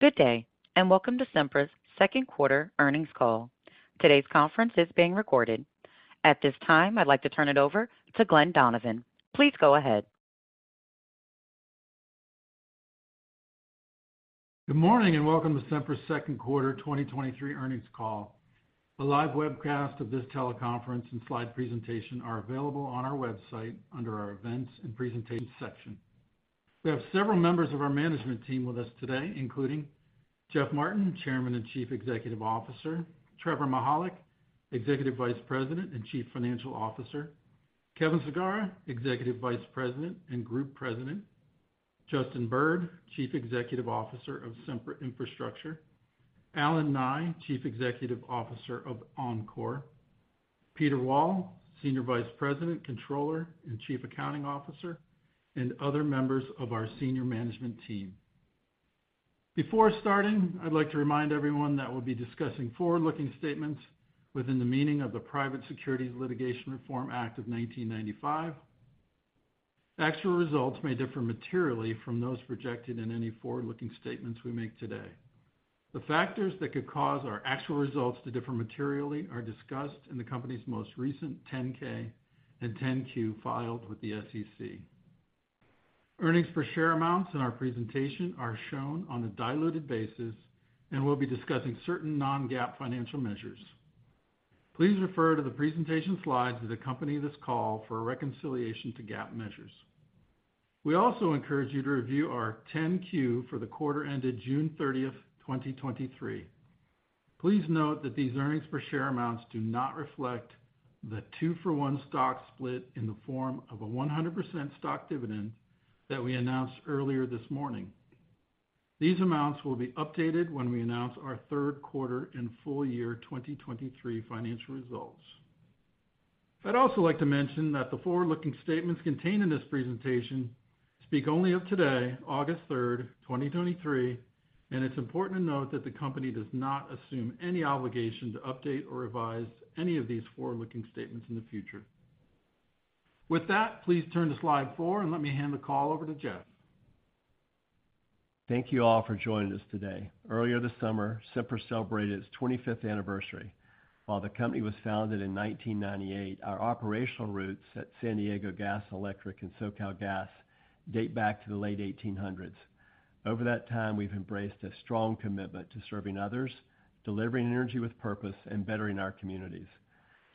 Good day, and welcome to Sempra's second quarter earnings call. Today's conference is being recorded. At this time, I'd like to turn it over to Glen Donovan. Please go ahead. Good morning, and welcome to Sempra's second quarter 2023 earnings call. A live webcast of this teleconference and slide presentation are available on our website under our Events and Presentations section. We have several members of our management team with us today, including Jeff Martin, Chairman and Chief Executive Officer; Trevor Mihalik, Executive Vice President and Chief Financial Officer; Kevin Sagara, Executive Vice President and Group President; Justin Bird, Chief Executive Officer of Sempra Infrastructure; Allen Nye, Chief Executive Officer of Oncor; Peter Wall, Senior Vice President, Controller, and Chief Accounting Officer, and other members of our senior management team. Before starting, I'd like to remind everyone that we'll be discussing forward-looking statements within the meaning of the Private Securities Litigation Reform Act of 1995. Actual results may differ materially from those projected in any forward-looking statements we make today. The factors that could cause our actual results to differ materially are discussed in the company's most recent 10-K and 10-Q filed with the SEC. Earnings per share amounts in our presentation are shown on a diluted basis, and we'll be discussing certain non-GAAP financial measures. Please refer to the presentation slides that accompany this call for a reconciliation to GAAP measures. We also encourage you to review our 10-Q for the quarter ended June 30th, 2023. Please note that these earnings per share amounts do not reflect the 2-for-1 stock split in the form of a 100% stock dividend that we announced earlier this morning. These amounts will be updated when we announce our third quarter and full year 2023 financial results. I'd also like to mention that the forward-looking statements contained in this presentation speak only of today, August third, 2023, and it's important to note that the company does not assume any obligation to update or revise any of these forward-looking statements in the future. With that, please turn to slide 4 and let me hand the call over to Jeff. Thank you all for joining us today. Earlier this summer, Sempra celebrated its 25th anniversary. While the company was founded in 1998, our operational roots at San Diego Gas and Electric and SoCalGas date back to the late 1800s. Over that time, we've embraced a strong commitment to serving others, delivering energy with purpose, and bettering our communities.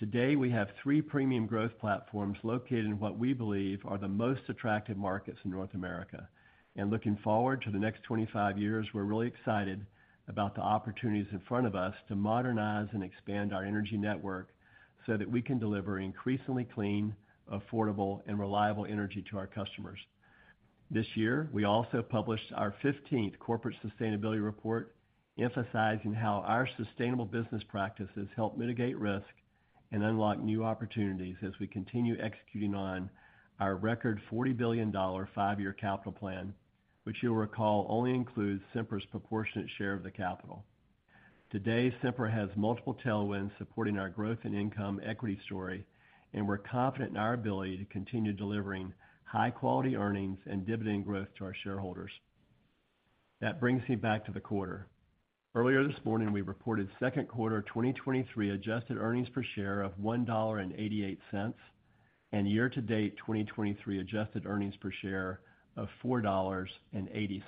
Today, we have 3 premium growth platforms located in what we believe are the most attractive markets in North America. Looking forward to the next 25 years, we're really excited about the opportunities in front of us to modernize and expand our energy network so that we can deliver increasingly clean, affordable, and reliable energy to our customers. This year, we also published our fifteenth corporate sustainability report, emphasizing how our sustainable business practices help mitigate risk and unlock new opportunities as we continue executing on our record $40 billion five-year capital plan, which you'll recall, only includes Sempra's proportionate share of the capital. Today, Sempra has multiple tailwinds supporting our growth and income equity story. We're confident in our ability to continue delivering high-quality earnings and dividend growth to our shareholders. That brings me back to the quarter. Earlier this morning, we reported second quarter 2023 adjusted earnings per share of $1.88, year to date 2023 adjusted earnings per share of $4.80.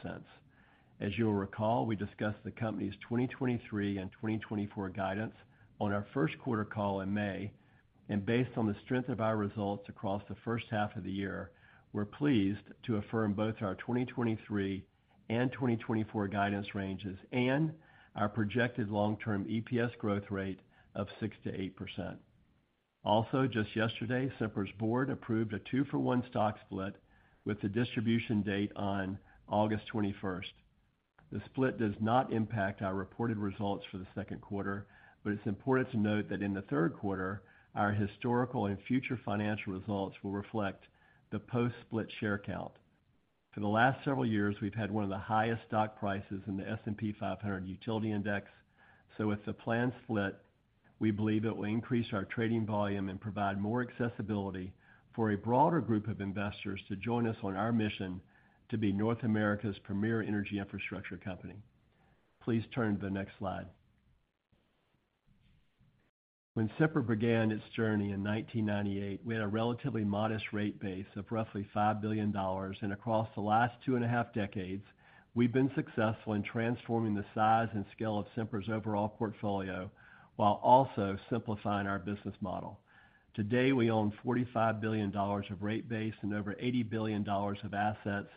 As you'll recall, we discussed the company's 2023 and 2024 guidance on our first quarter call in May, and based on the strength of our results across the first half of the year, we're pleased to affirm both our 2023 and 2024 guidance ranges and our projected long-term EPS growth rate of 6%-8%. Just yesterday, Sempra's board approved a 2-for-1 stock split with the distribution date on August 21st. The split does not impact our reported results for the second quarter, but it's important to note that in the third quarter, our historical and future financial results will reflect the post-split share count. For the last several years, we've had one of the highest stock prices in the S&P 500 Utility Index. With the planned split, we believe it will increase our trading volume and provide more accessibility for a broader group of investors to join us on our mission to be North America's premier energy infrastructure company. Please turn to the next slide. When Sempra began its journey in 1998, we had a relatively modest rate base of roughly $5 billion, and across the last two and a half decades, we've been successful in transforming the size and scale of Sempra's overall portfolio while also simplifying our business model. Today, we own $45 billion of rate base and over $80 billion of assets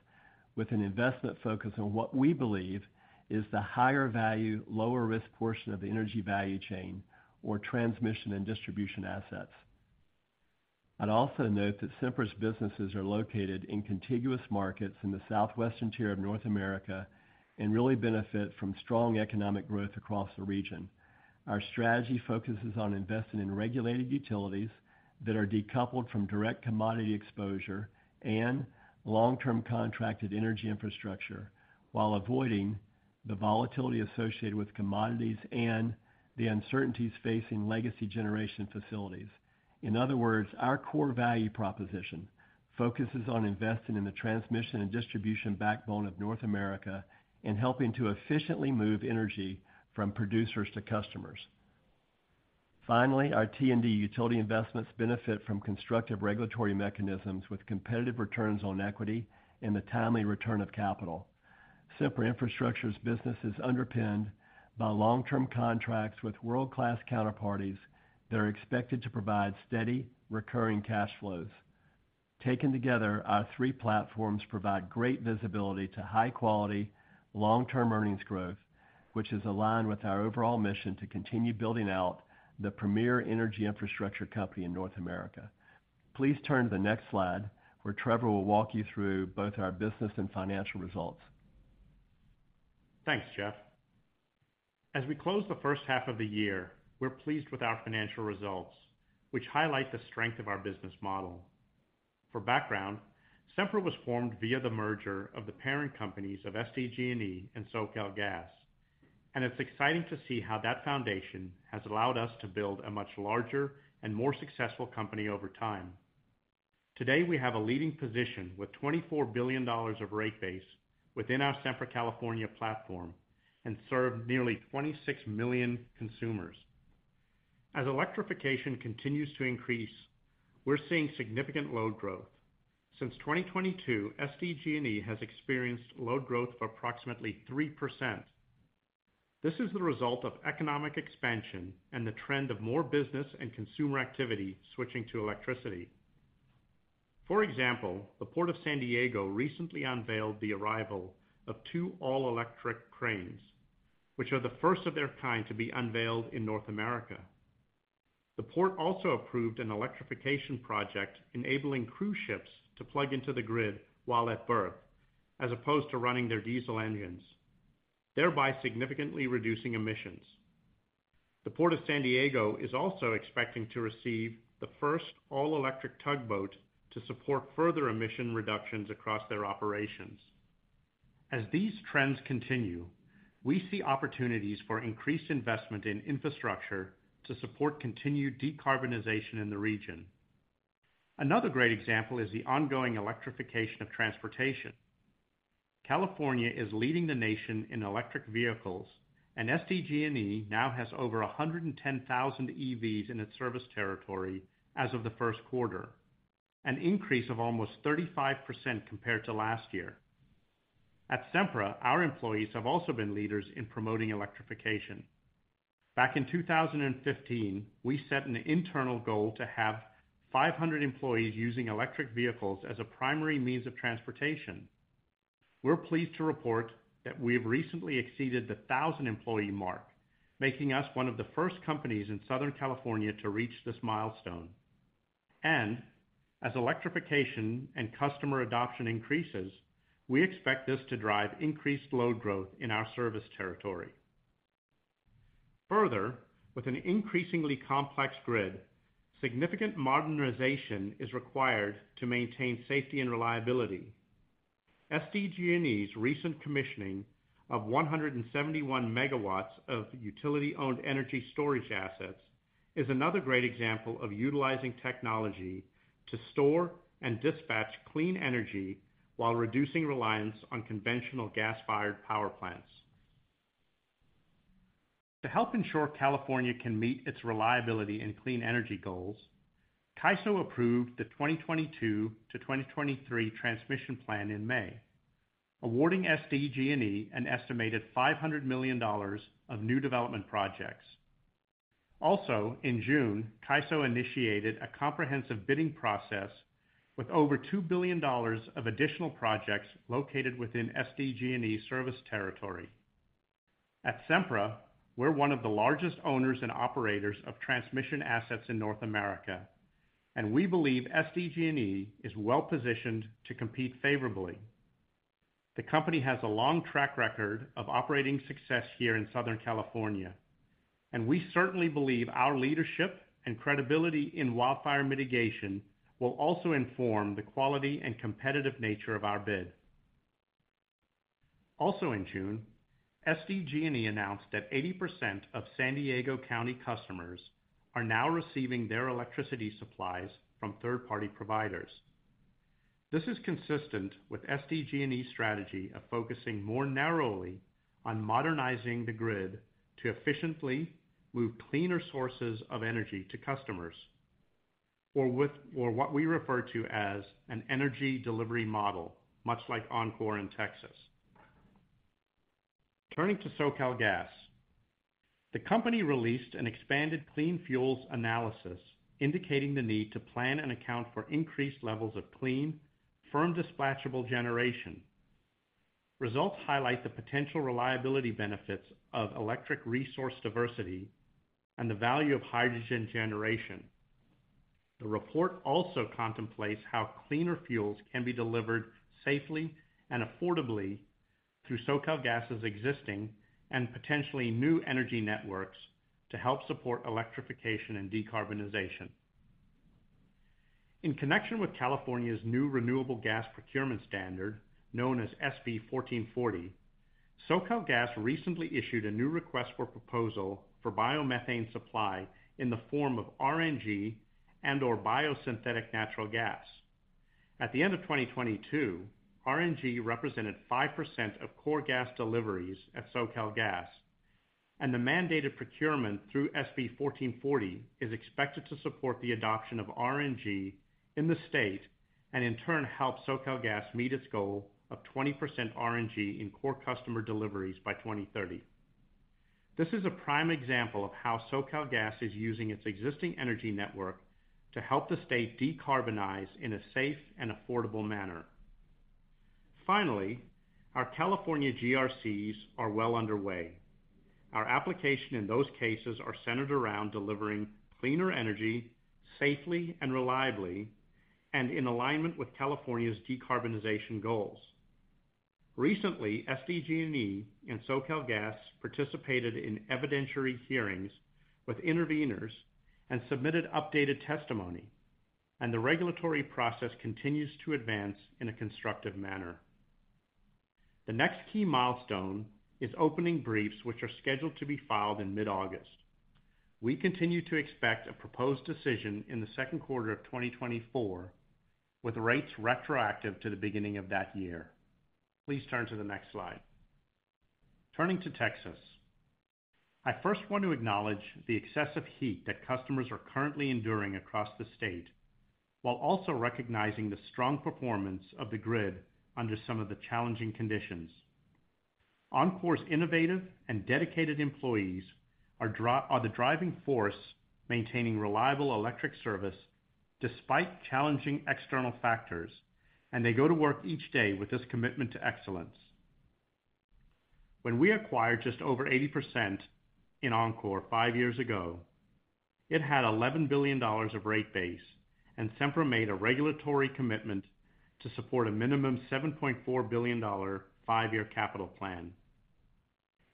with an investment focus on what we believe is the higher value, lower risk portion of the energy value chain or transmission and distribution assets. I'd also note that Sempra's businesses are located in contiguous markets in the southwestern tier of North America and really benefit from strong economic growth across the region. Our strategy focuses on investing in regulated utilities that are decoupled from direct commodity exposure and long-term contracted energy infrastructure, while avoiding the volatility associated with commodities and the uncertainties facing legacy generation facilities. In other words, our core value proposition focuses on investing in the transmission and distribution backbone of North America and helping to efficiently move energy from producers to customers. Finally, our T&D utility investments benefit from constructive regulatory mechanisms with competitive returns on equity and the timely return of capital. Sempra Infrastructure's business is underpinned by long-term contracts with world-class counterparties that are expected to provide steady, recurring cash flows. Taken together, our three platforms provide great visibility to high-quality, long-term earnings growth, which is aligned with our overall mission to continue building out the premier energy infrastructure company in North America. Please turn to the next slide, where Trevor will walk you through both our business and financial results. Thanks, Jeff. As we close the first half of the year, we're pleased with our financial results, which highlight the strength of our business model. For background, Sempra was formed via the merger of the parent companies of SDG&E and SoCalGas, and it's exciting to see how that foundation has allowed us to build a much larger and more successful company over time. Today, we have a leading position with $24 billion of rate base within our Sempra California platform and serve nearly 26 million consumers. As electrification continues to increase, we're seeing significant load growth. Since 2022, SDG&E has experienced load growth of approximately 3%. This is the result of economic expansion and the trend of more business and consumer activity switching to electricity. For example, the Port of San Diego recently unveiled the arrival of two all-electric cranes, which are the first of their kind to be unveiled in North America. The port also approved an electrification project, enabling cruise ships to plug into the grid while at berth, as opposed to running their diesel engines, thereby significantly reducing emissions. The Port of San Diego is also expecting to receive the first all-electric tugboat to support further emission reductions across their operations. As these trends continue, we see opportunities for increased investment in infrastructure to support continued decarbonization in the region. Another great example is the ongoing electrification of transportation. California is leading the nation in electric vehicles, and SDG&E now has over 110,000 EVs in its service territory as of the first quarter, an increase of almost 35% compared to last year. At Sempra, our employees have also been leaders in promoting electrification. Back in 2015, we set an internal goal to have 500 employees using electric vehicles as a primary means of transportation. We're pleased to report that we have recently exceeded the 1,000-employee mark, making us one of the first companies in Southern California to reach this milestone. As electrification and customer adoption increases, we expect this to drive increased load growth in our service territory. Further, with an increasingly complex grid, significant modernization is required to maintain safety and reliability. SDG&E's recent commissioning of 171 megawatts of utility-owned energy storage assets is another great example of utilizing technology to store and dispatch clean energy while reducing reliance on conventional gas-fired power plants. To help ensure California can meet its reliability and clean energy goals, CAISO approved the 2022 to 2023 transmission plan in May, awarding SDG&E an estimated $500 million of new development projects. Also, in June, CAISO initiated a comprehensive bidding process with over $2 billion of additional projects located within SDG&E service territory. At Sempra, we're one of the largest owners and operators of transmission assets in North America, and we believe SDG&E is well-positioned to compete favorably. The company has a long track record of operating success here in Southern California, and we certainly believe our leadership and credibility in wildfire mitigation will also inform the quality and competitive nature of our bid. Also in June, SDG&E announced that 80% of San Diego County customers are now receiving their electricity supplies from third-party providers. This is consistent with SDG&E's strategy of focusing more narrowly on modernizing the grid to efficiently move cleaner sources of energy to customers or what we refer to as an energy delivery model, much like Oncor in Texas. Turning to SoCalGas, the company released an expanded clean fuels analysis indicating the need to plan and account for increased levels of clean, firm, dispatchable generation. Results highlight the potential reliability benefits of electric resource diversity and the value of hydrogen generation. The report also contemplates how cleaner fuels can be delivered safely and affordably through SoCalGas's existing and potentially new energy networks to help support electrification and decarbonization. In connection with California's new renewable gas procurement standard, known as SB1440, SoCalGas recently issued a new request for proposal for biomethane supply in the form of RNG and or biosynthetic natural gas. At the end of 2022, RNG represented 5% of core gas deliveries at SoCalGas, and the mandated procurement through SB1440 is expected to support the adoption of RNG in the state and in turn, help SoCalGas meet its goal of 20% RNG in core customer deliveries by 2030. This is a prime example of how SoCalGas is using its existing energy network to help the state decarbonize in a safe and affordable manner. Our California GRCs are well underway. Our application in those cases are centered around delivering cleaner energy, safely and reliably, and in alignment with California's decarbonization goals. Recently, SDG&E and SoCalGas participated in evidentiary hearings with interveners and submitted updated testimony, and the regulatory process continues to advance in a constructive manner. The next key milestone is opening briefs, which are scheduled to be filed in mid-August. We continue to expect a proposed decision in the second quarter of 2024, with rates retroactive to the beginning of that year. Please turn to the next slide. Turning to Texas, I first want to acknowledge the excessive heat that customers are currently enduring across the state, while also recognizing the strong performance of the grid under some of the challenging conditions. Oncor's innovative and dedicated employees are the driving force, maintaining reliable electric service despite challenging external factors, and they go to work each day with this commitment to excellence. When we acquired just over 80% in Oncor five years ago, it had $11 billion of rate base, and Sempra made a regulatory commitment to support a minimum $7.4 billion five-year capital plan.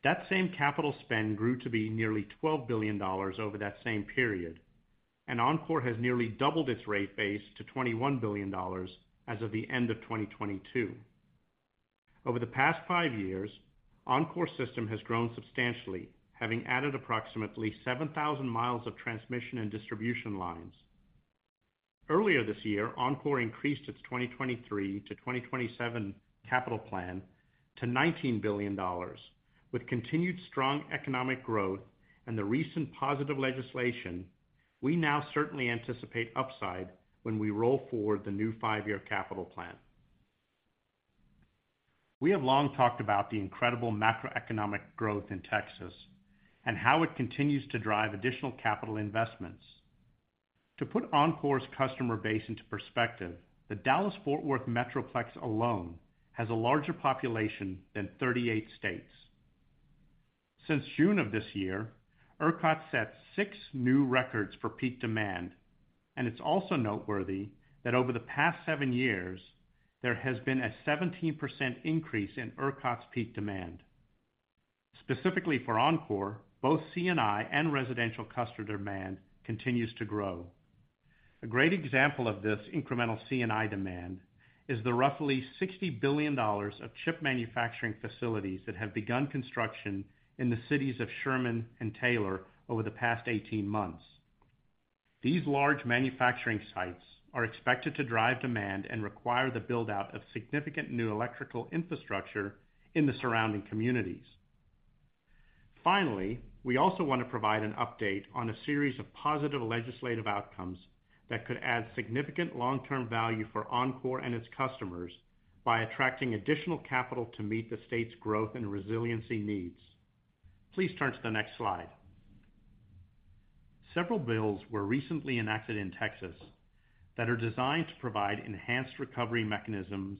That same capital spend grew to be nearly $12 billion over that same period. Oncor has nearly doubled its rate base to $21 billion as of the end of 2022. Over the past five years, Oncor's system has grown substantially, having added approximately 7,000 miles of transmission and distribution lines. Earlier this year, Oncor increased its 2023-2027 capital plan to $19 billion. With continued strong economic growth and the recent positive legislation, we now certainly anticipate upside when we roll forward the new five-year capital plan. We have long talked about the incredible macroeconomic growth in Texas and how it continues to drive additional capital investments. To put Oncor's customer base into perspective, the Dallas-Fort Worth Metroplex alone has a larger population than 38 states. Since June of this year, ERCOT set six new records for peak demand, and it's also noteworthy that over the past 7 years, there has been a 17% increase in ERCOT's peak demand. Specifically for Oncor, both C&I and residential customer demand continues to grow. A great example of this incremental C&I demand is the roughly $60 billion of chip manufacturing facilities that have begun construction in the cities of Sherman and Taylor over the past 18 months. These large manufacturing sites are expected to drive demand and require the build-out of significant new electrical infrastructure in the surrounding communities. Finally, we also want to provide an update on a series of positive legislative outcomes that could add significant long-term value for Oncor and its customers by attracting additional capital to meet the state's growth and resiliency needs. Please turn to the next slide. Several bills were recently enacted in Texas that are designed to provide enhanced recovery mechanisms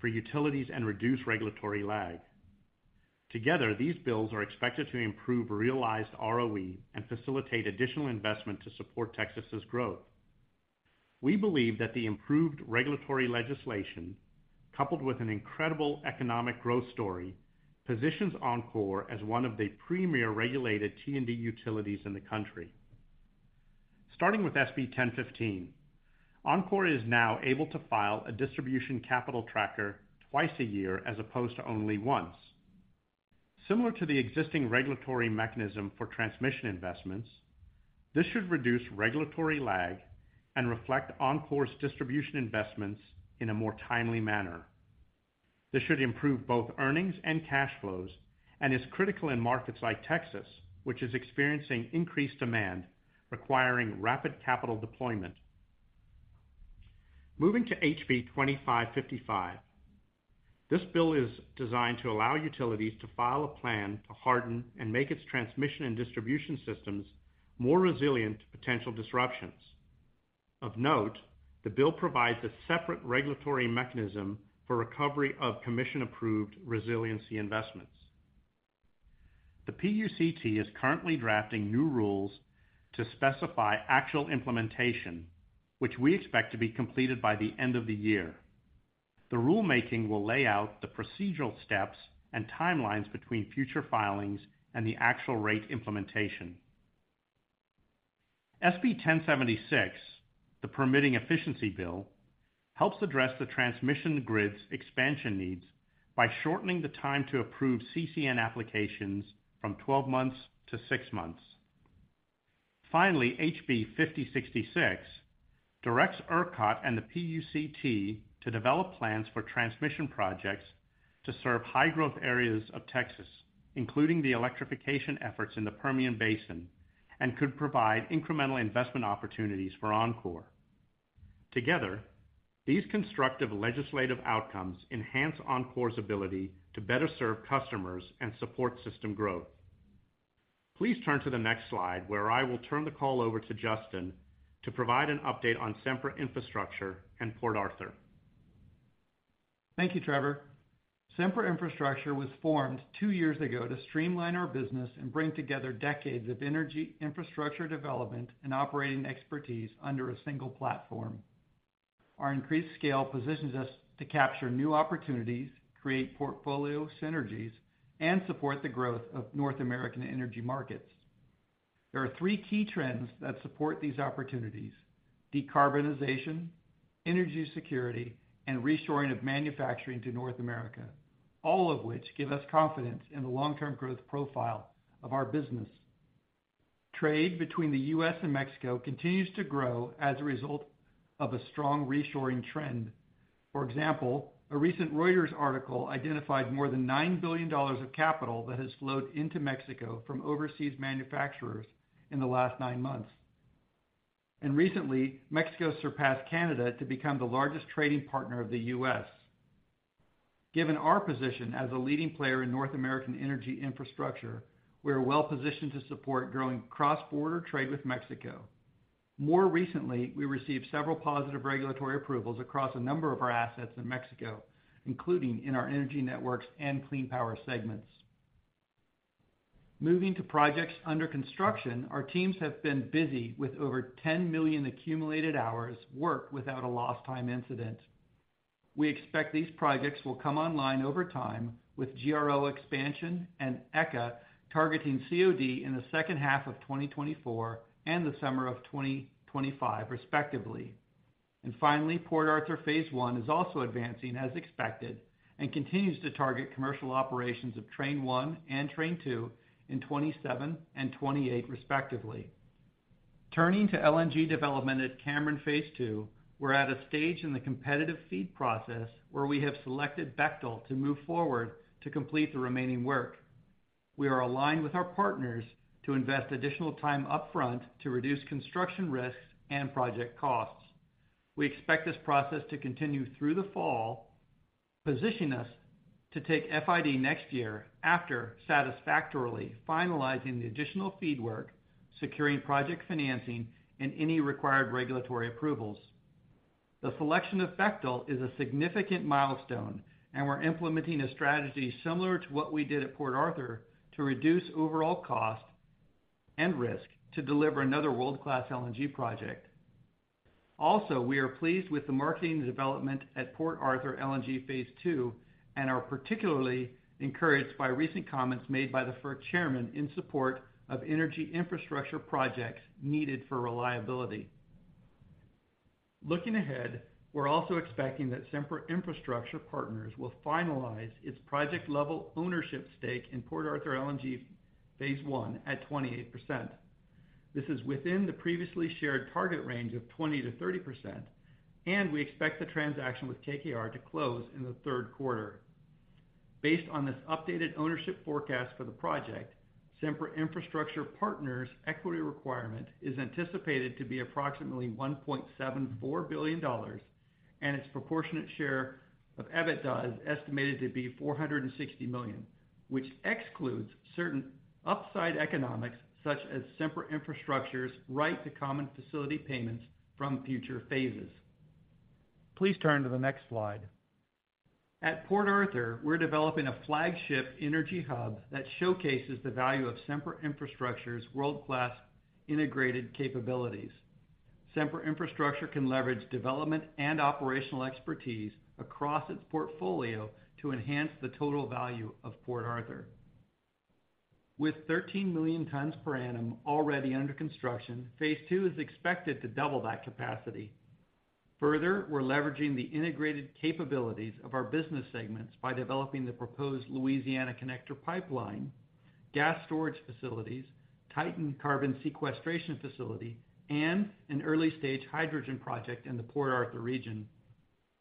for utilities and reduce regulatory lag. Together, these bills are expected to improve realized ROE and facilitate additional investment to support Texas's growth. We believe that the improved regulatory legislation, coupled with an incredible economic growth story, positions Oncor as one of the premier regulated T&D utilities in the country. Starting with SB 1015, Oncor is now able to file a distribution capital tracker twice a year, as opposed to only once. Similar to the existing regulatory mechanism for transmission investments, this should reduce regulatory lag and reflect Oncor's distribution investments in a more timely manner. This should improve both earnings and cash flows and is critical in markets like Texas, which is experiencing increased demand, requiring rapid capital deployment. Moving to HB 2555. This bill is designed to allow utilities to file a plan to harden and make its transmission and distribution systems more resilient to potential disruptions. Of note, the bill provides a separate regulatory mechanism for recovery of commission-approved resiliency investments. The PUCT is currently drafting new rules to specify actual implementation, which we expect to be completed by the end of the year. The rulemaking will lay out the procedural steps and timelines between future filings and the actual rate implementation. SB 1076, the permitting efficiency bill, helps address the transmission grid's expansion needs by shortening the time to approve CCN applications from 12 months to six months. Finally, HB 5066 directs ERCOT and the PUCT to develop plans for transmission projects to serve high-growth areas of Texas, including the electrification efforts in the Permian Basin, and could provide incremental investment opportunities for Oncor. Together, these constructive legislative outcomes enhance Oncor's ability to better serve customers and support system growth. Please turn to the next slide, where I will turn the call over to Justin to provide an update on Sempra Infrastructure and Port Arthur. Thank you, Trevor. Sempra Infrastructure was formed two years ago to streamline our business and bring together decades of energy infrastructure development and operating expertise under a single platform. Our increased scale positions us to capture new opportunities, create portfolio synergies, and support the growth of North American energy markets. There are three key trends that support these opportunities: decarbonization, energy security, and reshoring of manufacturing to North America, all of which give us confidence in the long-term growth profile of our business. Trade between the U.S. and Mexico continues to grow as a result of a strong reshoring trend. For example, a recent Reuters article identified more than $9 billion of capital that has flowed into Mexico from overseas manufacturers in the last 9 months. Recently, Mexico surpassed Canada to become the largest trading partner of the U.S. Given our position as a leading player in North American energy infrastructure, we are well-positioned to support growing cross-border trade with Mexico. More recently, we received several positive regulatory approvals across a number of our assets in Mexico, including in our energy networks and clean power segments. Moving to projects under construction, our teams have been busy with over 10 million accumulated hours worked without a lost time incident. We expect these projects will come online over time, with GRO expansion and ECA targeting COD in the second half of 2024 and the summer of 2025, respectively. Finally, Port Arthur Phase One is also advancing as expected and continues to target commercial operations of Train One and Train Two in 2027 and 2028, respectively. Turning to LNG development at Cameron Phase Two, we're at a stage in the competitive feed process where we have selected Bechtel to move forward to complete the remaining work. We are aligned with our partners to invest additional time upfront to reduce construction risks and project costs. We expect this process to continue through the fall, positioning us to take FID next year after satisfactorily finalizing the additional feed work, securing project financing, and any required regulatory approvals. The selection of Bechtel is a significant milestone, and we're implementing a strategy similar to what we did at Port Arthur to reduce overall cost and risk to deliver another world-class LNG project. Also, we are pleased with the marketing development at Port Arthur LNG Phase Two and are particularly encouraged by recent comments made by the FERC Chairman in support of energy infrastructure projects needed for reliability. Looking ahead, we're also expecting that Sempra Infrastructure Partners will finalize its project-level ownership stake in Port Arthur LNG Phase One at 28%. This is within the previously shared target range of 20%-30%, and we expect the transaction with KKR to close in the third quarter. Based on this updated ownership forecast for the project, Sempra Infrastructure Partners' equity requirement is anticipated to be approximately $1.74 billion, and its proportionate share of EBITDA is estimated to be $460 million, which excludes certain upside economics, such as Sempra Infrastructure's right to common facility payments from future phases. Please turn to the next slide. At Port Arthur, we're developing a flagship energy hub that showcases the value of Sempra Infrastructure's world-class integrated capabilities. Sempra Infrastructure can leverage development and operational expertise across its portfolio to enhance the total value of Port Arthur. With 13 million tons per annum already under construction, Phase 2 is expected to double that capacity. Further, we're leveraging the integrated capabilities of our business segments by developing the proposed Louisiana Connector pipeline, gas storage facilities, Titan carbon sequestration facility, and an early-stage hydrogen project in the Port Arthur region.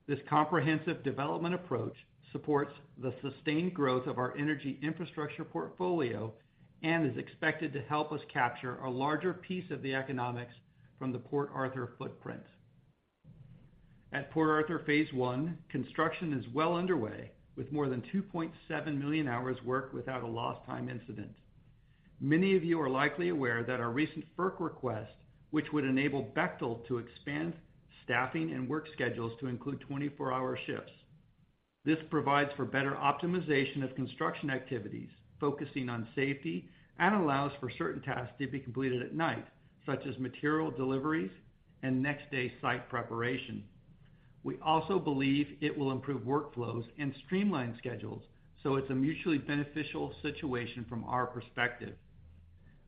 This comprehensive development approach supports the sustained growth of our energy infrastructure portfolio and is expected to help us capture a larger piece of the economics from the Port Arthur footprint. At Port Arthur Phase 1, construction is well underway, with more than 2.7 million hours worked without a lost time incident. Many of you are likely aware that our recent FERC request, which would enable Bechtel to expand staffing and work schedules to include 24-hour shifts. This provides for better optimization of construction activities, focusing on safety, and allows for certain tasks to be completed at night, such as material deliveries and next-day site preparation. We also believe it will improve workflows and streamline schedules, so it's a mutually beneficial situation from our perspective.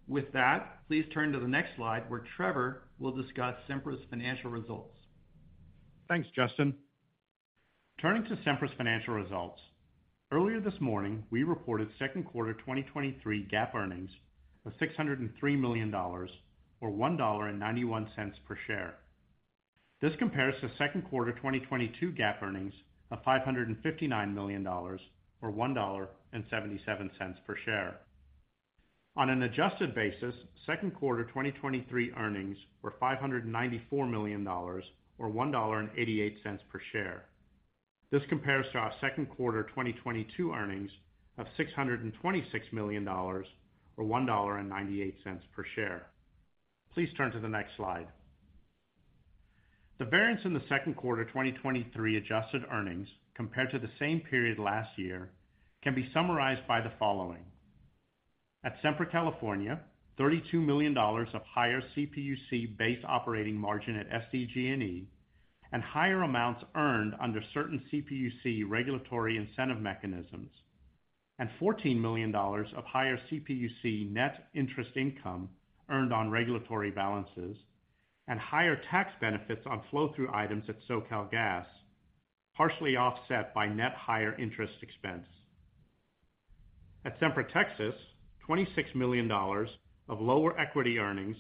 With that, please turn to the next slide, where Trevor will discuss Sempra's financial results. Thanks, Justin. Turning to Sempra's financial results, earlier this morning, we reported second quarter 2023 GAAP earnings of $603 million, or $1.91 per share. This compares to second quarter 2022 GAAP earnings of $559 million, or $1.77 per share. On an adjusted basis, second quarter 2023 earnings were $594 million, or $1.88 per share. This compares to our second quarter 2022 earnings of $626 million, or $1.98 per share. Please turn to the next slide. The variance in the second quarter 2023 adjusted earnings compared to the same period last year can be summarized by the following: At Sempra California, $32 million of higher CPUC base operating margin at SDG&E, and higher amounts earned under certain CPUC regulatory incentive mechanisms, and $14 million of higher CPUC net interest income earned on regulatory balances, and higher tax benefits on flow-through items at SoCalGas, partially offset by net higher interest expense. At Sempra Texas, $26 million of lower equity earnings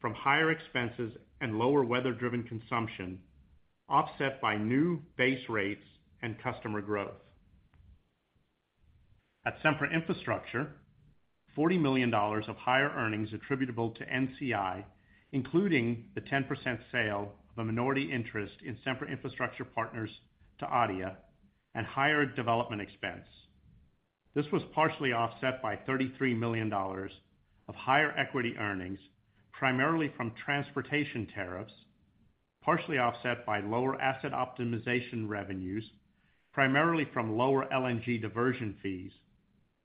from higher expenses and lower weather-driven consumption, offset by new base rates and customer growth. At Sempra Infrastructure, $40 million of higher earnings attributable to NCI, including the 10% sale of a minority interest in Sempra Infrastructure Partners to ADIA and higher development expense. This was partially offset by $33 million of higher equity earnings, primarily from transportation tariffs, partially offset by lower asset optimization revenues, primarily from lower LNG diversion fees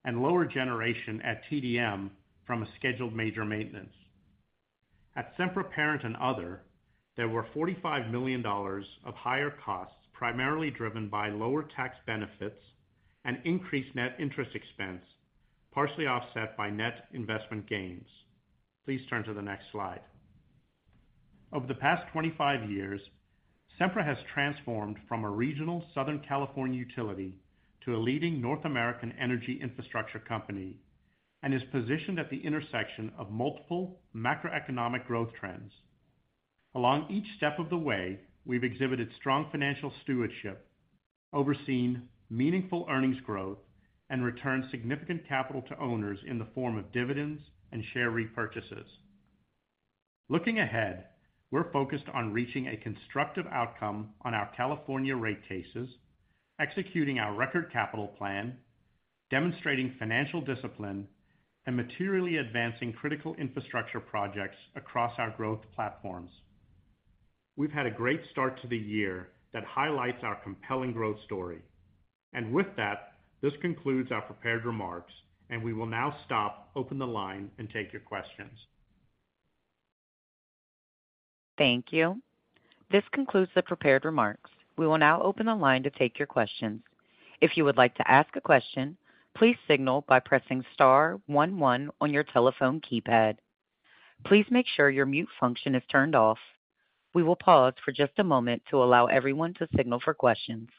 and lower generation at TDM from a scheduled major maintenance. At Sempra Parent and Other, there were $45 million of higher costs, primarily driven by lower tax benefits and increased net interest expense, partially offset by net investment gains. Please turn to the next slide. Over the past 25 years, Sempra has transformed from a regional Southern California utility to a leading North American energy infrastructure company and is positioned at the intersection of multiple macroeconomic growth trends. Along each step of the way, we've exhibited strong financial stewardship, overseen meaningful earnings growth, and returned significant capital to owners in the form of dividends and share repurchases. Looking ahead, we're focused on reaching a constructive outcome on our California rate cases, executing our record capital plan, demonstrating financial discipline, and materially advancing critical infrastructure projects across our growth platforms. We've had a great start to the year that highlights our compelling growth story. With that, this concludes our prepared remarks, and we will now stop, open the line, and take your questions. Thank you. This concludes the prepared remarks. We will now open the line to take your questions. If you would like to ask a question, please signal by pressing star one one on your telephone keypad. Please make sure your mute function is turned off. We will pause for just a moment to allow everyone to signal for questions.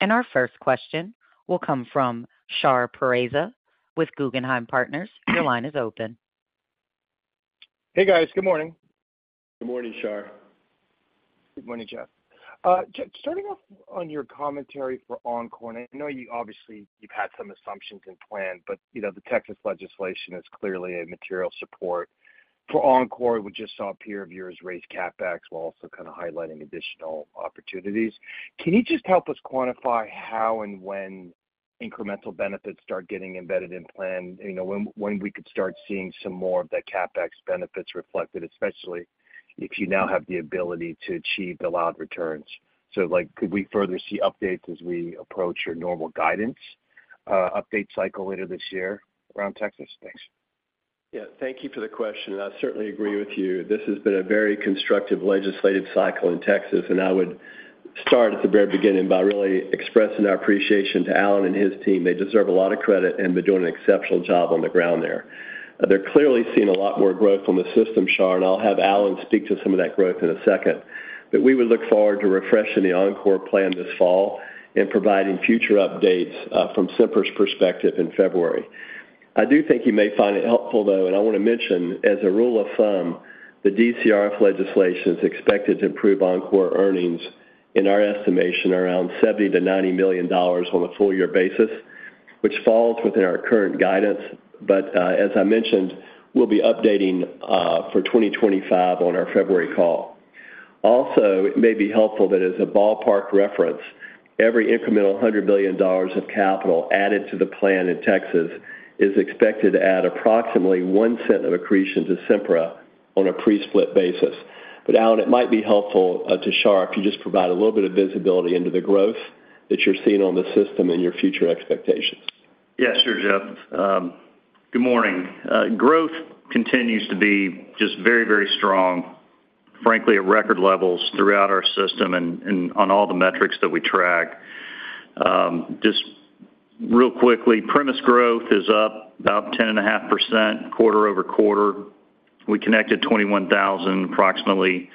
Our first question will come from Shar Pourreza with Guggenheim Partners. Your line is open. Hey, guys. Good morning. Good morning, Shar. Good morning, Jeff. Starting off on your commentary for Oncor, I know you obviously you've had some assumptions in plan, but, you know, the Texas legislation is clearly a material support for Oncor. We just saw a peer of yours raise CapEx while also kind of highlighting additional opportunities. Can you just help us quantify how and when incremental benefits start getting embedded in plan? You know, when we could start seeing some more of the CapEx benefits reflected, especially if you now have the ability to achieve the allowed returns. Like, could we further see updates as we approach your normal guidance update cycle later this year around Texas? Thanks. Yeah, thank you for the question. I certainly agree with you. This has been a very constructive legislative cycle in Texas, and I would start at the very beginning by really expressing our appreciation to Allen and his team. They deserve a lot of credit and have been doing an exceptional job on the ground there. They're clearly seeing a lot more growth on the system, Shar, and I'll have Allen speak to some of that growth in a second. We would look forward to refreshing the Oncor plan this fall and providing future updates from Sempra's perspective in February. I do think you may find it helpful, though, and I want to mention, as a rule of thumb, the DCRF legislation is expected to improve Oncor earnings, in our estimation, around $70 million-$90 million on a full year basis, which falls within our current guidance. As I mentioned, we'll be updating for 2025 on our February call. Also, it may be helpful that as a ballpark reference, every incremental $100 million of capital added to the plan in Texas is expected to add approximately $0.01 of accretion to Sempra on a pre-split basis. Allen, it might be helpful to Shar, if you just provide a little bit of visibility into the growth that you're seeing on the system and your future expectations. Yes, sure, Jeff. Good morning. Growth continues to be just very, very strong, frankly, at record levels throughout our system and, and on all the metrics that we track. Just real quickly, premise growth is up about 10.5% quarter-over-quarter. We connected 21,000, approximately,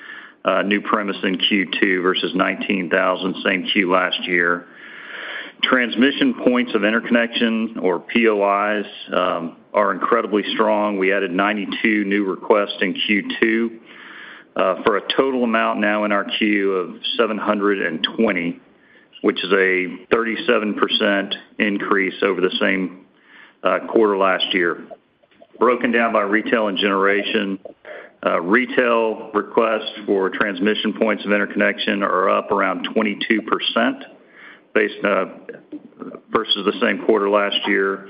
new premises in Q2 versus 19,000, same Q last year. Transmission points of interconnection, or POIs, are incredibly strong. We added 92 new requests in Q2 for a total amount now in our queue of 720, which is a 37% increase over the same quarter last year. Broken down by retail and generation, retail requests for transmission points of interconnection are up around 22%, based, versus the same quarter last year.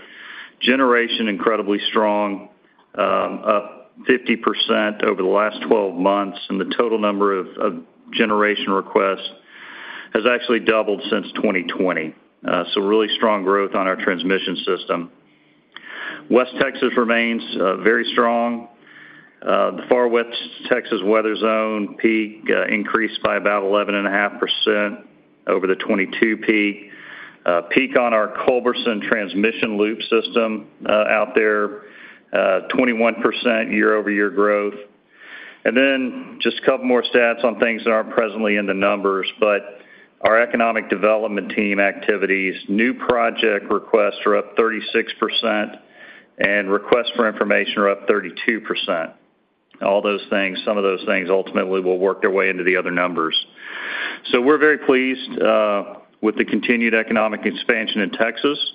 Generation, incredibly strong, up 50% over the last 12 months, and the total number of, of generation requests has actually doubled since 2020. Really strong growth on our transmission system. West Texas remains very strong. The Far West Texas weather zone peak increased by about 11.5% over the 2022 peak. Peak on our Culberson transmission loop system out there, 21% year-over-year growth. Just a couple more stats on things that aren't presently in the numbers, but our economic development team activities, new project requests are up 36%, and requests for information are up 32%. All those things, some of those things ultimately will work their way into the other numbers. We're very pleased with the continued economic expansion in Texas.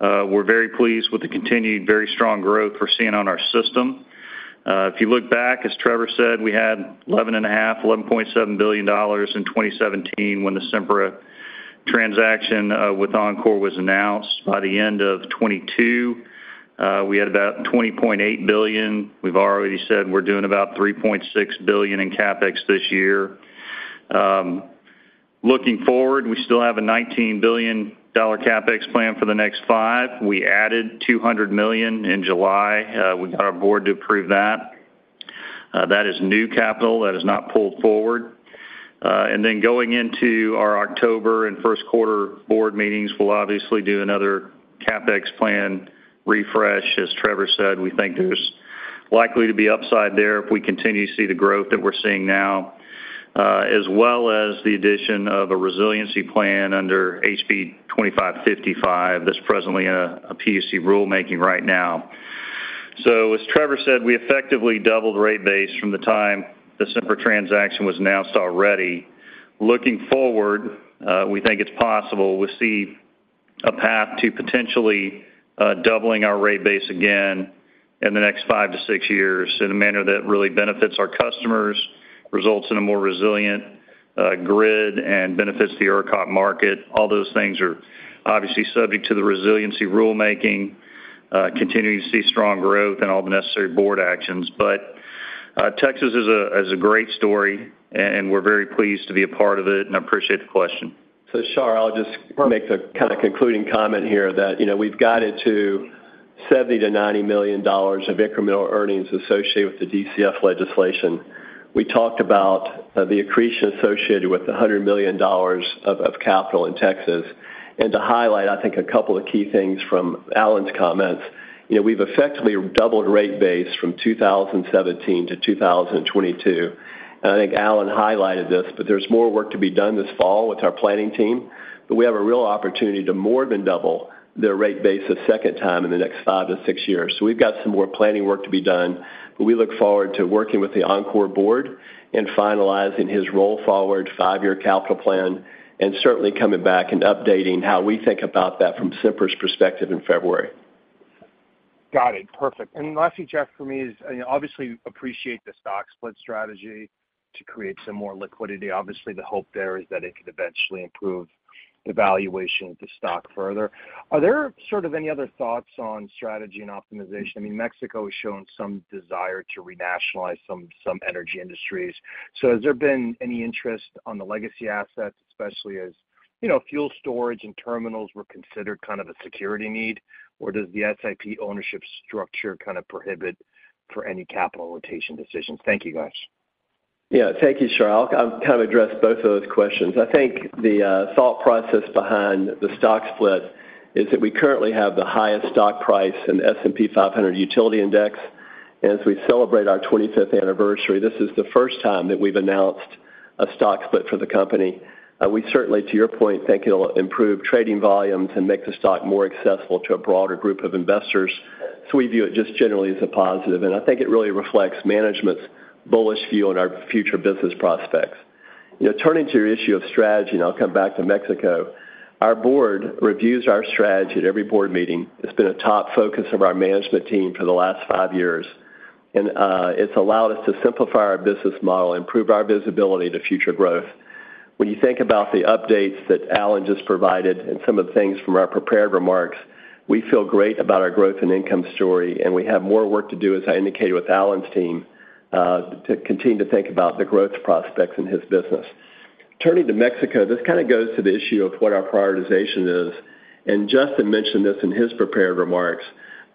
We're very pleased with the continued very strong growth we're seeing on our system. If you look back, as Trevor said, we had $11.5 billion, $11.7 billion in 2017 when the Sempra transaction with Oncor was announced. By the end of 2022, we had about $20.8 billion. We've already said we're doing about $3.6 billion in CapEx this year. Looking forward, we still have a $19 billion CapEx plan for the next five. We added $200 million in July. We got our board to approve that. That is new capital that is not pulled forward. Then going into our October and first quarter board meetings, we'll obviously do another CapEx plan refresh. As Trevor said, we think there's likely to be upside there if we continue to see the growth that we're seeing now, as well as the addition of a resiliency plan under HB 2555. That's presently in a PUC rulemaking right now. As Trevor said, we effectively doubled rate base from the time the Sempra transaction was announced already. Looking forward, we think it's possible we see a path to potentially doubling our rate base again in the next five to six years in a manner that really benefits our customers, results in a more resilient grid, and benefits the ERCOT market. All those things are obviously subject to the resiliency rulemaking, continuing to see strong growth and all the necessary board actions. Texas is a, is a great story, and we're very pleased to be a part of it, and I appreciate the question. Shar, I'll just make the kind of concluding comment here that, you know, we've guided to $70 million-$90 million of incremental earnings associated with the DCRF legislation. We talked about the accretion associated with $100 million of capital in Texas. To highlight, I think, a couple of key things from Allen's comments, you know, we've effectively doubled rate base from 2017 to 2022. I think Allen highlighted this, but there's more work to be done this fall with our planning team, but we have a real opportunity to more than double their rate base a second time in the next five to six years. We've got some more planning work to be done, but we look forward to working with the Oncor board and finalizing his roll-forward 5-year capital plan and certainly coming back and updating how we think about that from Sempra's perspective in February. Got it. Perfect. Lastly, Jeff, for me is, obviously, appreciate the stock split strategy to create some more liquidity. Obviously, the hope there is that it could eventually improve the valuation of the stock further. Are there sort of any other thoughts on strategy and optimization? I mean, Mexico has shown some desire to renationalize some, some energy industries. Has there been any interest on the legacy assets, especially as, you know, fuel storage and terminals were considered kind of a security need, or does the SIP ownership structure kind of prohibit for any capital rotation decisions? Thank you, guys. Yeah, thank you, Shar. I'll, I'll kind of address both of those questions. I think the thought process behind the stock split is that we currently have the highest stock price in the S&P 500 utility index. As we celebrate our 25th anniversary, this is the first time that we've announced a stock split for the company. We certainly, to your point, think it'll improve trading volumes and make the stock more accessible to a broader group of investors. We view it just generally as a positive, and I think it really reflects management's bullish view on our future business prospects. You know, turning to your issue of strategy, I'll come back to Mexico. Our board reviews our strategy at every board meeting. It's been a top focus of our management team for the last five years, and it's allowed us to simplify our business model, improve our visibility to future growth. When you think about the updates that Allen just provided and some of the things from our prepared remarks, we feel great about our growth and income story, and we have more work to do, as I indicated, with Allen's team, to continue to think about the growth prospects in his business. Turning to Mexico, this kind of goes to the issue of what our prioritization is, and Justin mentioned this in his prepared remarks,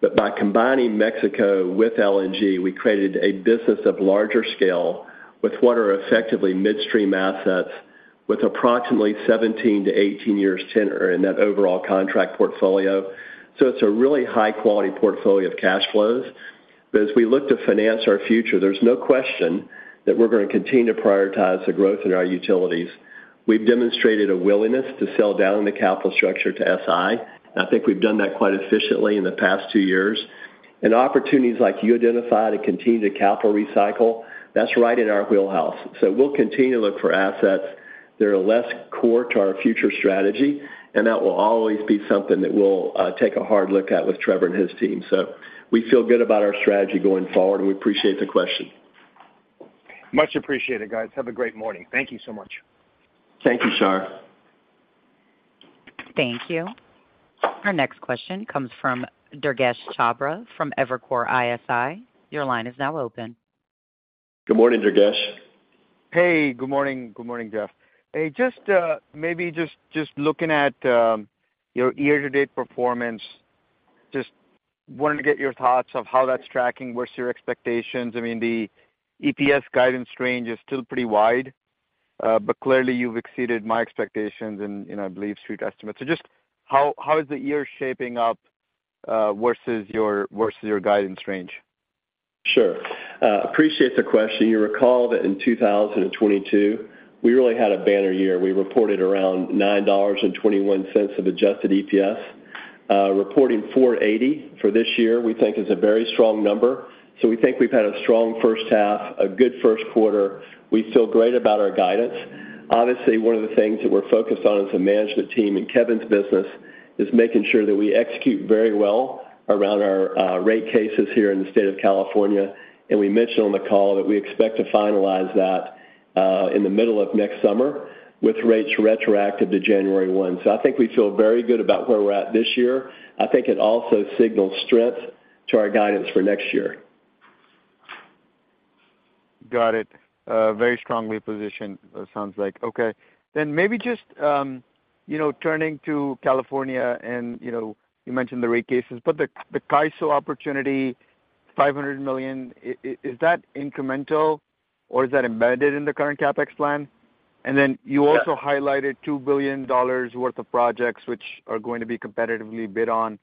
that by combining Mexico with LNG, we created a business of larger scale with what are effectively midstream assets, with approximately 17-18 years tenure in that overall contract portfolio. It's a really high-quality portfolio of cash flows. As we look to finance our future, there's no question that we're going to continue to prioritize the growth in our utilities. We've demonstrated a willingness to sell down the capital structure to SI, and I think we've done that quite efficiently in the past two years. Opportunities like you identified to continue to capital recycle, that's right in our wheelhouse. We'll continue to look for assets that are less core to our future strategy, and that will always be something that we'll take a hard look at with Trevor and his team. We feel good about our strategy going forward, and we appreciate the question. Much appreciated, guys. Have a great morning. Thank you so much. Thank you, sir. Thank you. Our next question comes from Durgesh Chhabra, from Evercore ISI. Your line is now open. Good morning, Durgesh. Hey, good morning. Good morning, Jeff. Hey, just, maybe just, just looking at, your year-to-date performance, just wanted to get your thoughts of how that's tracking. What's your expectations? I mean, the EPS guidance range is still pretty wide, but clearly, you've exceeded my expectations and, you know, I believe street estimates. Just how, how is the year shaping up, versus your, versus your guidance range? Sure. Appreciate the question. You recall that in 2022, we really had a banner year. We reported around $9.21 of adjusted EPS. Reporting $4.80 for this year, we think is a very strong number. We think we've had a strong first half, a good first quarter. We feel great about our guidance. Obviously, one of the things that we're focused on as a management team in Kevin's business is making sure that we execute very well around our rate cases here in the state of California. We mentioned on the call that we expect to finalize that in the middle of next summer with rates retroactive to January 1. I think we feel very good about where we're at this year. I think it also signals strength to our guidance for next year. Got it. very strongly positioned, it sounds like. Okay, maybe just, you know, turning to California and, you know, you mentioned the rate cases, but the, the CAISO opportunity, $500 million, is that incremental or is that embedded in the current CapEx plan? Then you also highlighted $2 billion worth of projects, which are going to be competitively bid on.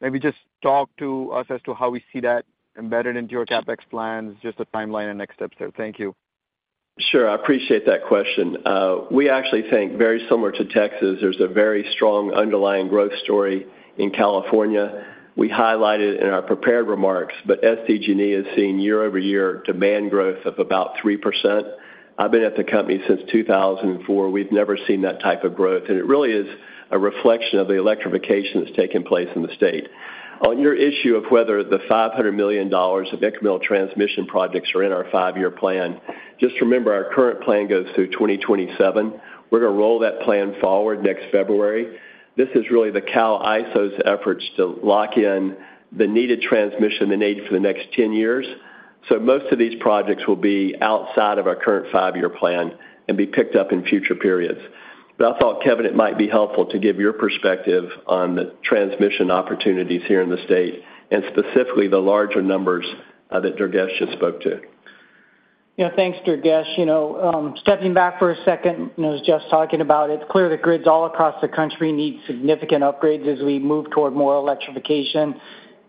Maybe just talk to us as to how we see that embedded into your CapEx plans, just the timeline and next steps there. Thank you. Sure, I appreciate that question. We actually think very similar to Texas, there's a very strong underlying growth story in California. We highlighted in our prepared remarks, SDG&E has seen year-over-year demand growth of about 3%. I've been at the company since 2004. We've never seen that type of growth, and it really is a reflection of the electrification that's taking place in the state. On your issue of whether the $500 million of incremental transmission projects are in our five-year plan, just remember, our current plan goes through 2027. We're going to roll that plan forward next February. This is really the CAISO's efforts to lock in the needed transmission they need for the next 10 years. Most of these projects will be outside of our current five-year plan and be picked up in future periods. I thought, Kevin, it might be helpful to give your perspective on the transmission opportunities here in the state and specifically the larger numbers that Durgesh just spoke to. Yeah, thanks, Durgesh. You know, stepping back for a second, as Jeff's talking about, it's clear that grids all across the country need significant upgrades as we move toward more electrification.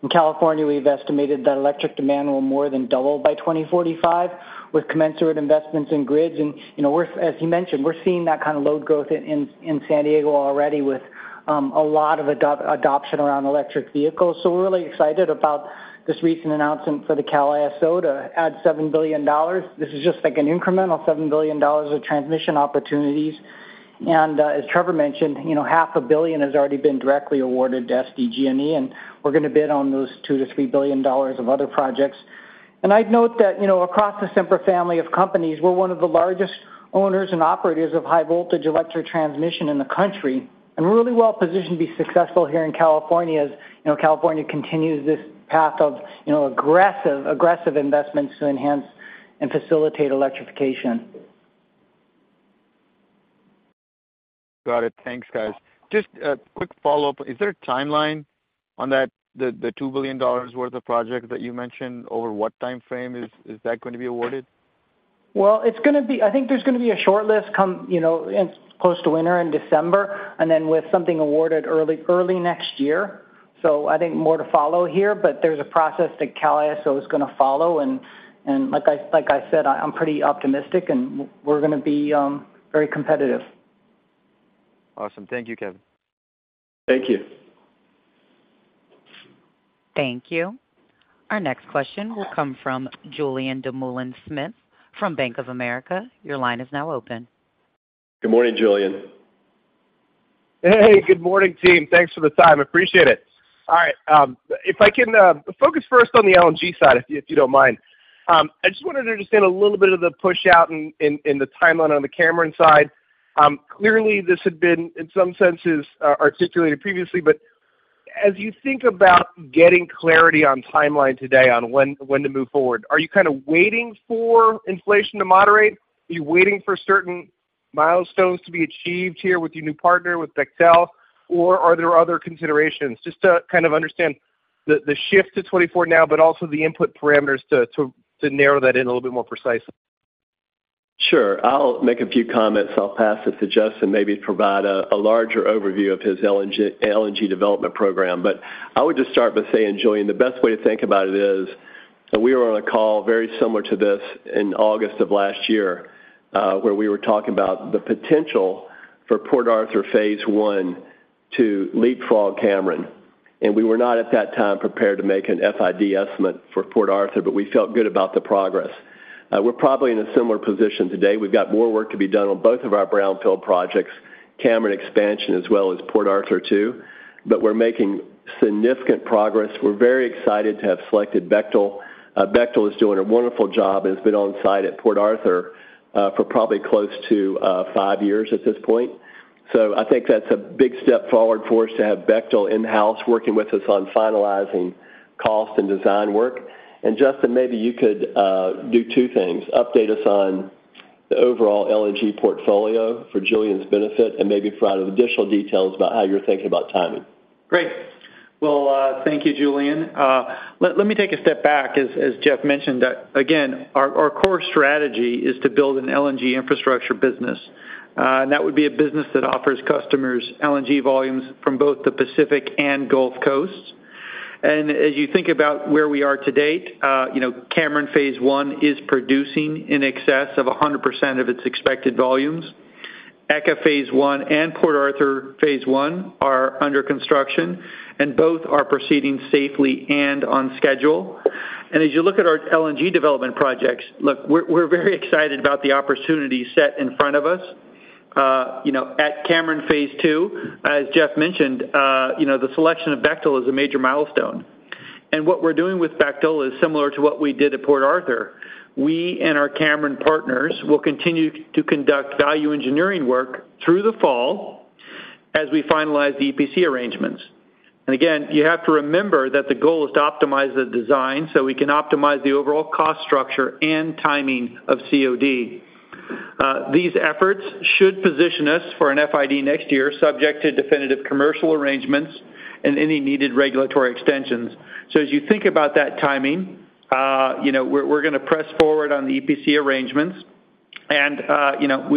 In California, we've estimated that electric demand will more than double by 2045, with commensurate investments in grids. You know, as you mentioned, we're seeing that kind of load growth in San Diego already with a lot of adoption around electric vehicles. We're really excited about this recent announcement for the CAISO to add $7 billion. This is just like an incremental $7 billion of transmission opportunities. As Trevor mentioned, you know, $500 million has already been directly awarded to SDG&E, and we're going to bid on those $2 billion-$3 billion of other projects. I'd note that, you know, across the Sempra family of companies, we're one of the largest owners and operators of high-voltage electric transmission in the country, and we're really well positioned to be successful here in California. As you know, California continues this path of, you know, aggressive, aggressive investments to enhance and facilitate electrification. Got it. Thanks, guys. Just a quick follow-up. Is there a timeline on the $2 billion worth of projects that you mentioned? Over what time frame is that going to be awarded? Well, I think there's gonna be a short list come, you know, close to winter in December, and then with something awarded early, early next year. I think more to follow here, but there's a process that CAISO is gonna follow. Like I, like I said, I'm pretty optimistic, and we're gonna be very competitive. Awesome. Thank you, Kevin. Thank you. Thank you. Our next question will come from Julien Dumoulin-Smith from Bank of America. Your line is now open. Good morning, Julien. Hey, good morning, team. Thanks for the time. Appreciate it. All right, if I can focus first on the LNG side, if you, if you don't mind. I just wanted to understand a little bit of the pushout in the timeline on the Cameron side. Clearly, this had been, in some senses, articulated previously, but as you think about getting clarity on timeline today on when to move forward, are you kind of waiting for inflation to moderate? Are you waiting for certain milestones to be achieved here with your new partner, with Bechtel, or are there other considerations? Just to kind of understand the shift to 2024 now, but also the input parameters to narrow that in a little bit more precisely. Sure. I'll make a few comments. I'll pass it to Justin, maybe provide a larger overview of his LNG development program. I would just start by saying, Julien, the best way to think about it is, and we were on a call very similar to this in August of last year, where we were talking about the potential for Port Arthur phase 1 to leapfrog Cameron, and we were not, at that time, prepared to make an FID estimate for Port Arthur, but we felt good about the progress. We're probably in a similar position today. We've got more work to be done on both of our brownfield projects, Cameron expansion, as well as Port Arthur, too, but we're making significant progress. We're very excited to have selected Bechtel. Bechtel is doing a wonderful job and has been on site at Port Arthur for probably close to five years at this point. I think that's a big step forward for us to have Bechtel in-house, working with us on finalizing cost and design work. Justin, maybe you could do two things: update us on the overall LNG portfolio for Julien's benefit, and maybe provide additional details about how you're thinking about timing. Great. Well, thank you, Julien. Let, let me take a step back. As Jeff mentioned, again, our, our core strategy is to build an LNG infrastructure business, that would be a business that offers customers LNG volumes from both the Pacific and Gulf Coasts. As you think about where we are to date, you know, Cameron phase one is producing in excess of 100% of its expected volumes. ECA phase one and Port Arthur phase one are under construction, both are proceeding safely and on schedule. As you look at our LNG development projects, look, we're, we're very excited about the opportunity set in front of us. You know, at Cameron phase two, as Jeff mentioned, you know, the selection of Bechtel is a major milestone. What we're doing with Bechtel is similar to what we did at Port Arthur. We and our Cameron partners will continue to conduct value engineering work through the fall as we finalize the EPC arrangements. Again, you have to remember that the goal is to optimize the design, so we can optimize the overall cost structure and timing of COD. These efforts should position us for an FID next year, subject to definitive commercial arrangements and any needed regulatory extensions. As you think about that timing, you know, we're, we're gonna press forward on the EPC arrangements, you know,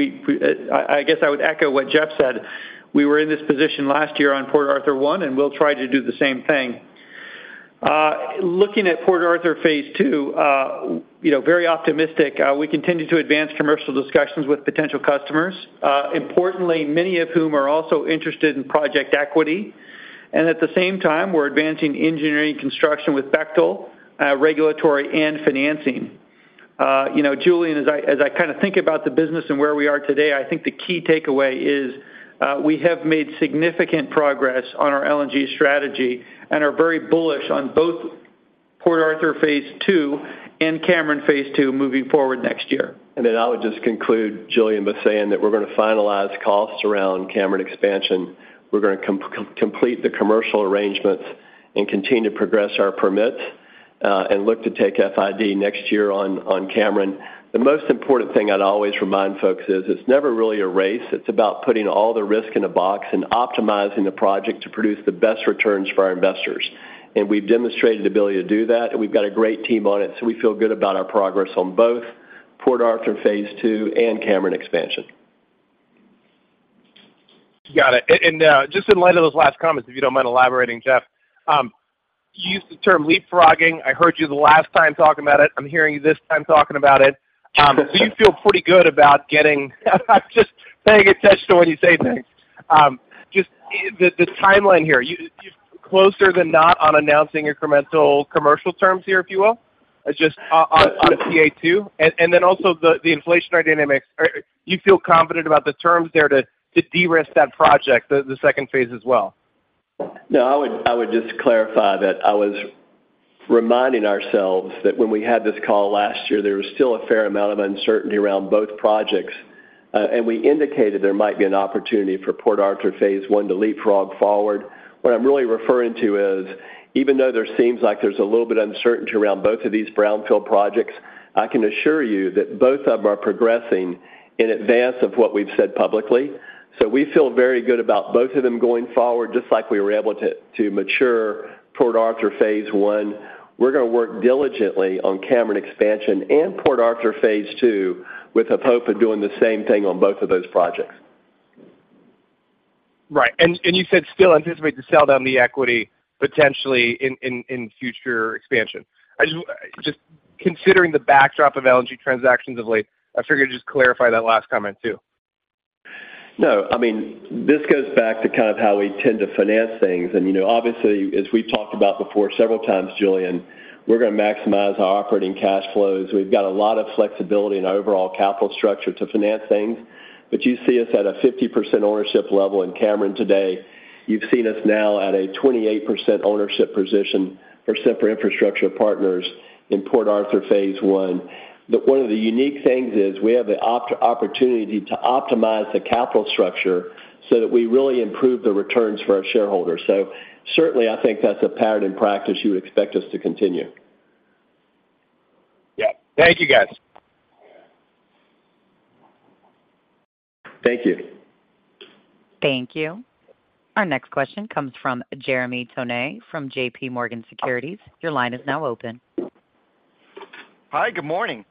I, I guess I would echo what Jeff said. We were in this position last year on Port Arthur one, and we'll try to do the same thing. Looking at Port Arthur phase two, you know, very optimistic. We continue to advance commercial discussions with potential customers, importantly, many of whom are also interested in project equity. At the same time, we're advancing engineering construction with Bechtel, regulatory and financing. You know, Julien, as I, as I kind of think about the business and where we are today, I think the key takeaway is, we have made significant progress on our LNG strategy and are very bullish on both Port Arthur phase 2 and Cameron phase 2 moving forward next year. I would just conclude, Julien, by saying that we're gonna finalize costs around Cameron expansion. We're gonna complete the commercial arrangements and continue to progress our permits and look to take FID next year on Cameron. The most important thing I'd always remind folks is, it's never really a race. It's about putting all the risk in a box and optimizing the project to produce the best returns for our investors. We've demonstrated ability to do that, and we've got a great team on it, so we feel good about our progress on both Port Arthur phase two and Cameron expansion. Got it. Just in light of those last comments, if you don't mind elaborating, Jeff? You used the term leapfrogging. I heard you the last time talking about it. I'm hearing you this time talking about it. You feel pretty good about getting. I'm just paying attention to when you say things. Just the timeline here. You, you closer than not on announcing incremental commercial terms here, if you will? Just on PA2. The inflationary dynamics. Are you feel confident about the terms there to, to de-risk that project, the, the second phase as well? No, I would, I would just clarify that I was reminding ourselves that when we had this call last year, there was still a fair amount of uncertainty around both projects, and we indicated there might be an opportunity for Port Arthur phase one to leapfrog forward. I'm really referring to is, even though there seems like there's a little bit of uncertainty around both of these brownfield projects, I can assure you that both of them are progressing in advance of what we've said publicly. We feel very good about both of them going forward, just like we were able to, to mature Port Arthur phase one. We're gonna work diligently on Cameron expansion and Port Arthur phase two, with the hope of doing the same thing on both of those projects. Right. And you said still anticipate to sell down the equity potentially in future expansion. Just considering the backdrop of LNG transactions of late, I figured I'd just clarify that last comment, too. No, I mean, this goes back to kind of how we tend to finance things. You know, obviously, as we've talked about before, several times, Julien, we're going to maximize our operating cash flows. We've got a lot of flexibility in our overall capital structure to finance things, but you see us at a 50% ownership level in Cameron today. You've seen us now at a 28% ownership position for Sempra Infrastructure Partners in Port Arthur phase one. One of the unique things is we have the opportunity to optimize the capital structure so that we really improve the returns for our shareholders. Certainly, I think that's a pattern in practice you would expect us to continue. Yeah. Thank you, guys. Thank you. Thank you. Our next question comes from Jeremy Tonet from JPMorgan Securities. Your line is now open. Hi, good morning. Good morning,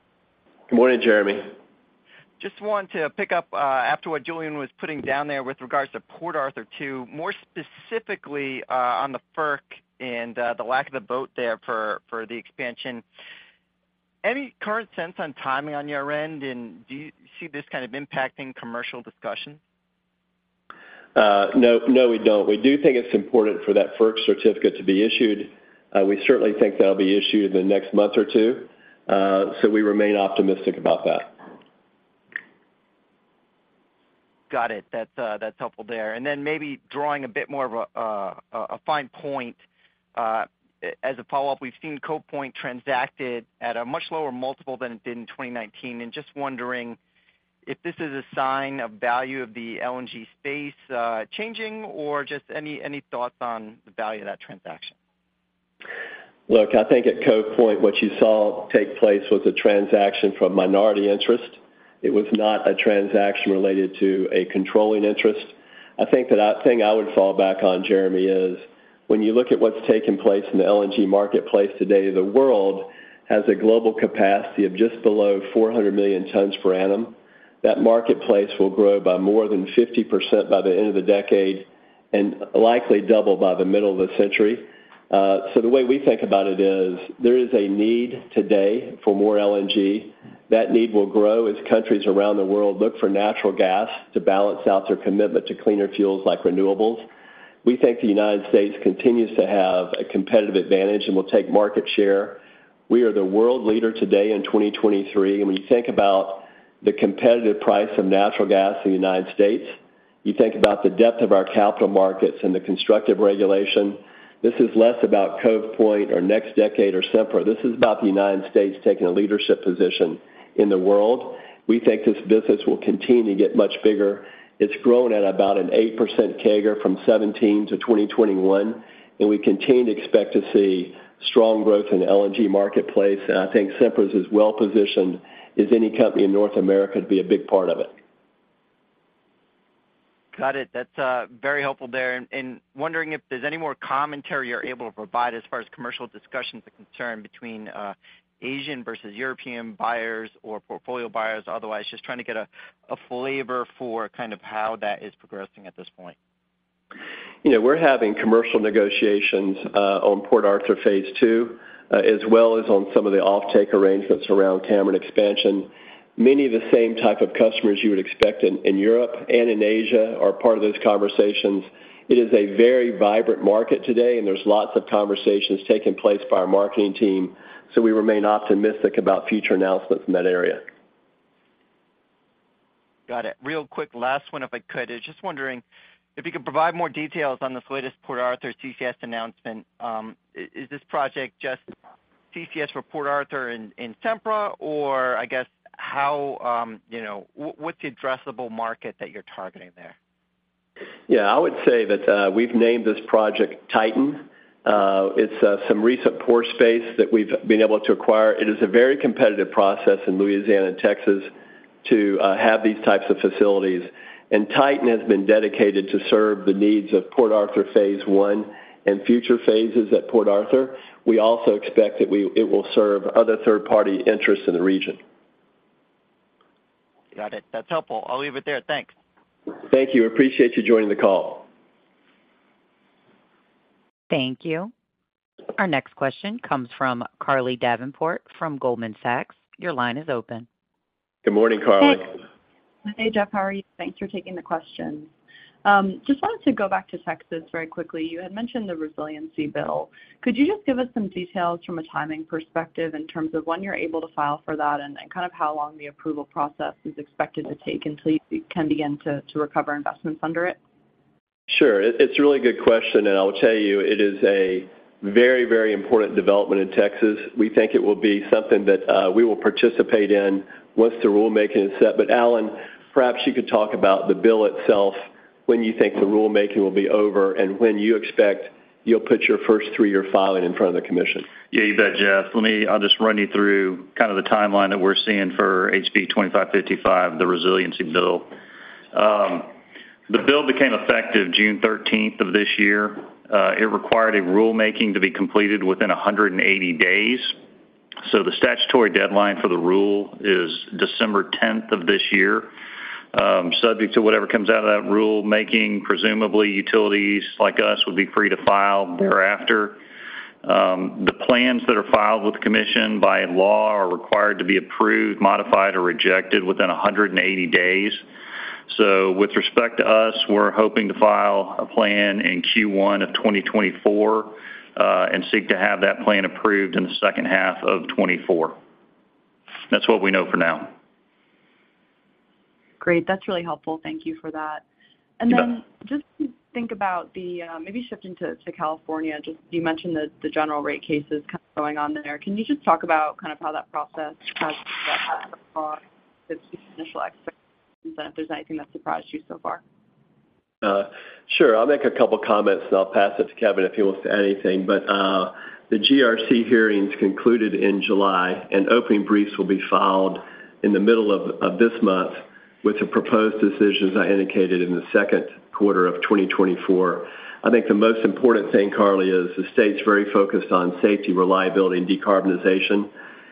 Jeremy. Just wanted to pick up after what Julien was putting down there with regards to Port Arthur 2, more specifically on the FERC and the lack of the vote there for, for the expansion. Any current sense on timing on your end, and do you see this kind of impacting commercial discussion? No, no, we don't. We do think it's important for that FERC certificate to be issued. We certainly think that'll be issued in the next month or two, so we remain optimistic about that. Got it. That's helpful there. Then maybe drawing a bit more of a fine point, as a follow-up, we've seen Cove Point transacted at a much lower multiple than it did in 2019, and just wondering if this is a sign of value of the LNG space changing or just any, any thoughts on the value of that transaction? Look, I think at Cove Point, what you saw take place was a transaction from minority interest. It was not a transaction related to a controlling interest. I think that the thing I would fall back on, Jeremy, is when you look at what's taking place in the LNG marketplace today, the world has a global capacity of just below 400 million tons per annum. That marketplace will grow by more than 50% by the end of the decade and likely double by the middle of the century. The way we think about it is, there is a need today for more LNG. That need will grow as countries around the world look for natural gas to balance out their commitment to cleaner fuels like renewables. We think the United States continues to have a competitive advantage and will take market share. We are the world leader today in 2023. When you think about the competitive price of natural gas in the United States, you think about the depth of our capital markets and the constructive regulation. This is less about Cove Point or next decade or Sempra. This is about the United States taking a leadership position in the world. We think this business will continue to get much bigger. It's grown at about an 8% CAGR from 17 to 2021, we continue to expect to see strong growth in the LNG marketplace. I think Sempra is as well-positioned as any company in North America to be a big part of it. Got it. That's, very helpful there. Wondering if there's any more commentary you're able to provide as far as commercial discussions are concerned between, Asian versus European buyers or portfolio buyers. Otherwise, just trying to get a, a flavor for kind of how that is progressing at this point? You know, we're having commercial negotiations on Port Arthur phase two, as well as on some of the offtake arrangements around Cameron expansion. Many of the same type of customers you would expect in Europe and in Asia are part of those conversations. It is a very vibrant market today, and there's lots of conversations taking place by our marketing team, so we remain optimistic about future announcements in that area. Got it. Real quick, last one, if I could, is just wondering if you could provide more details on this latest Port Arthur CCS announcement. Is this project just CCS for Port Arthur in, in Sempra? I guess how, you know, what's the addressable market that you're targeting there? Yeah, I would say that we've named this project Titan. It's some recent pore space that we've been able to acquire. It is a very competitive process in Louisiana and Texas to have these types of facilities. Titan has been dedicated to serve the needs of Port Arthur phase one and future phases at Port Arthur. We also expect that it will serve other third-party interests in the region. Got it. That's helpful. I'll leave it there. Thanks. Thank you. Appreciate you joining the call. Thank you. Our next question comes from Carly Davenport from Goldman Sachs. Your line is open. Good morning, Carly. Thanks. Hey, Jeff, how are you? Thanks for taking the question. Just wanted to go back to Texas very quickly. You had mentioned the resiliency bill. Could you just give us some details from a timing perspective in terms of when you're able to file for that and kind of how long the approval process is expected to take until you can begin to recover investments under it? Sure. It's a really good question, and I'll tell you, it is a very, very important development in Texas. We think it will be something that we will participate in once the rulemaking is set. Allen, perhaps you could talk about the bill itself, when you think the rulemaking will be over, and when you expect you'll put your first three-year filing in front of the commission. Yeah, you bet, Jeff. I'll just run you through kind of the timeline that we're seeing for HB 2555, the Resiliency Bill. The bill became effective June 13th of this year. It required a rulemaking to be completed within 180 days. The statutory deadline for the rule is December 10th of this year. Subject to whatever comes out of that rulemaking, presumably, utilities like us would be free to file thereafter. The plans that are filed with the commission by law are required to be approved, modified, or rejected within 180 days. With respect to us, we're hoping to file a plan in Q1 of 2024, and seek to have that plan approved in the second half of 2024. That's what we know for now. Great. That's really helpful. Thank you for that. You bet. Then just to think about maybe shifting to, to California, just you mentioned that the general rate case is kind of going on there. Can you just talk about kind of how that process has, if there's anything that surprised you so far? Sure. I'll make a couple comments, and I'll pass it to Kevin, if he wants to add anything. The GRC hearings concluded in July, and opening briefs will be filed in the middle of this month, with the proposed decisions I indicated in the second quarter of 2024. I think the most important thing, Carly, is the state's very focused on safety, reliability, and decarbonization,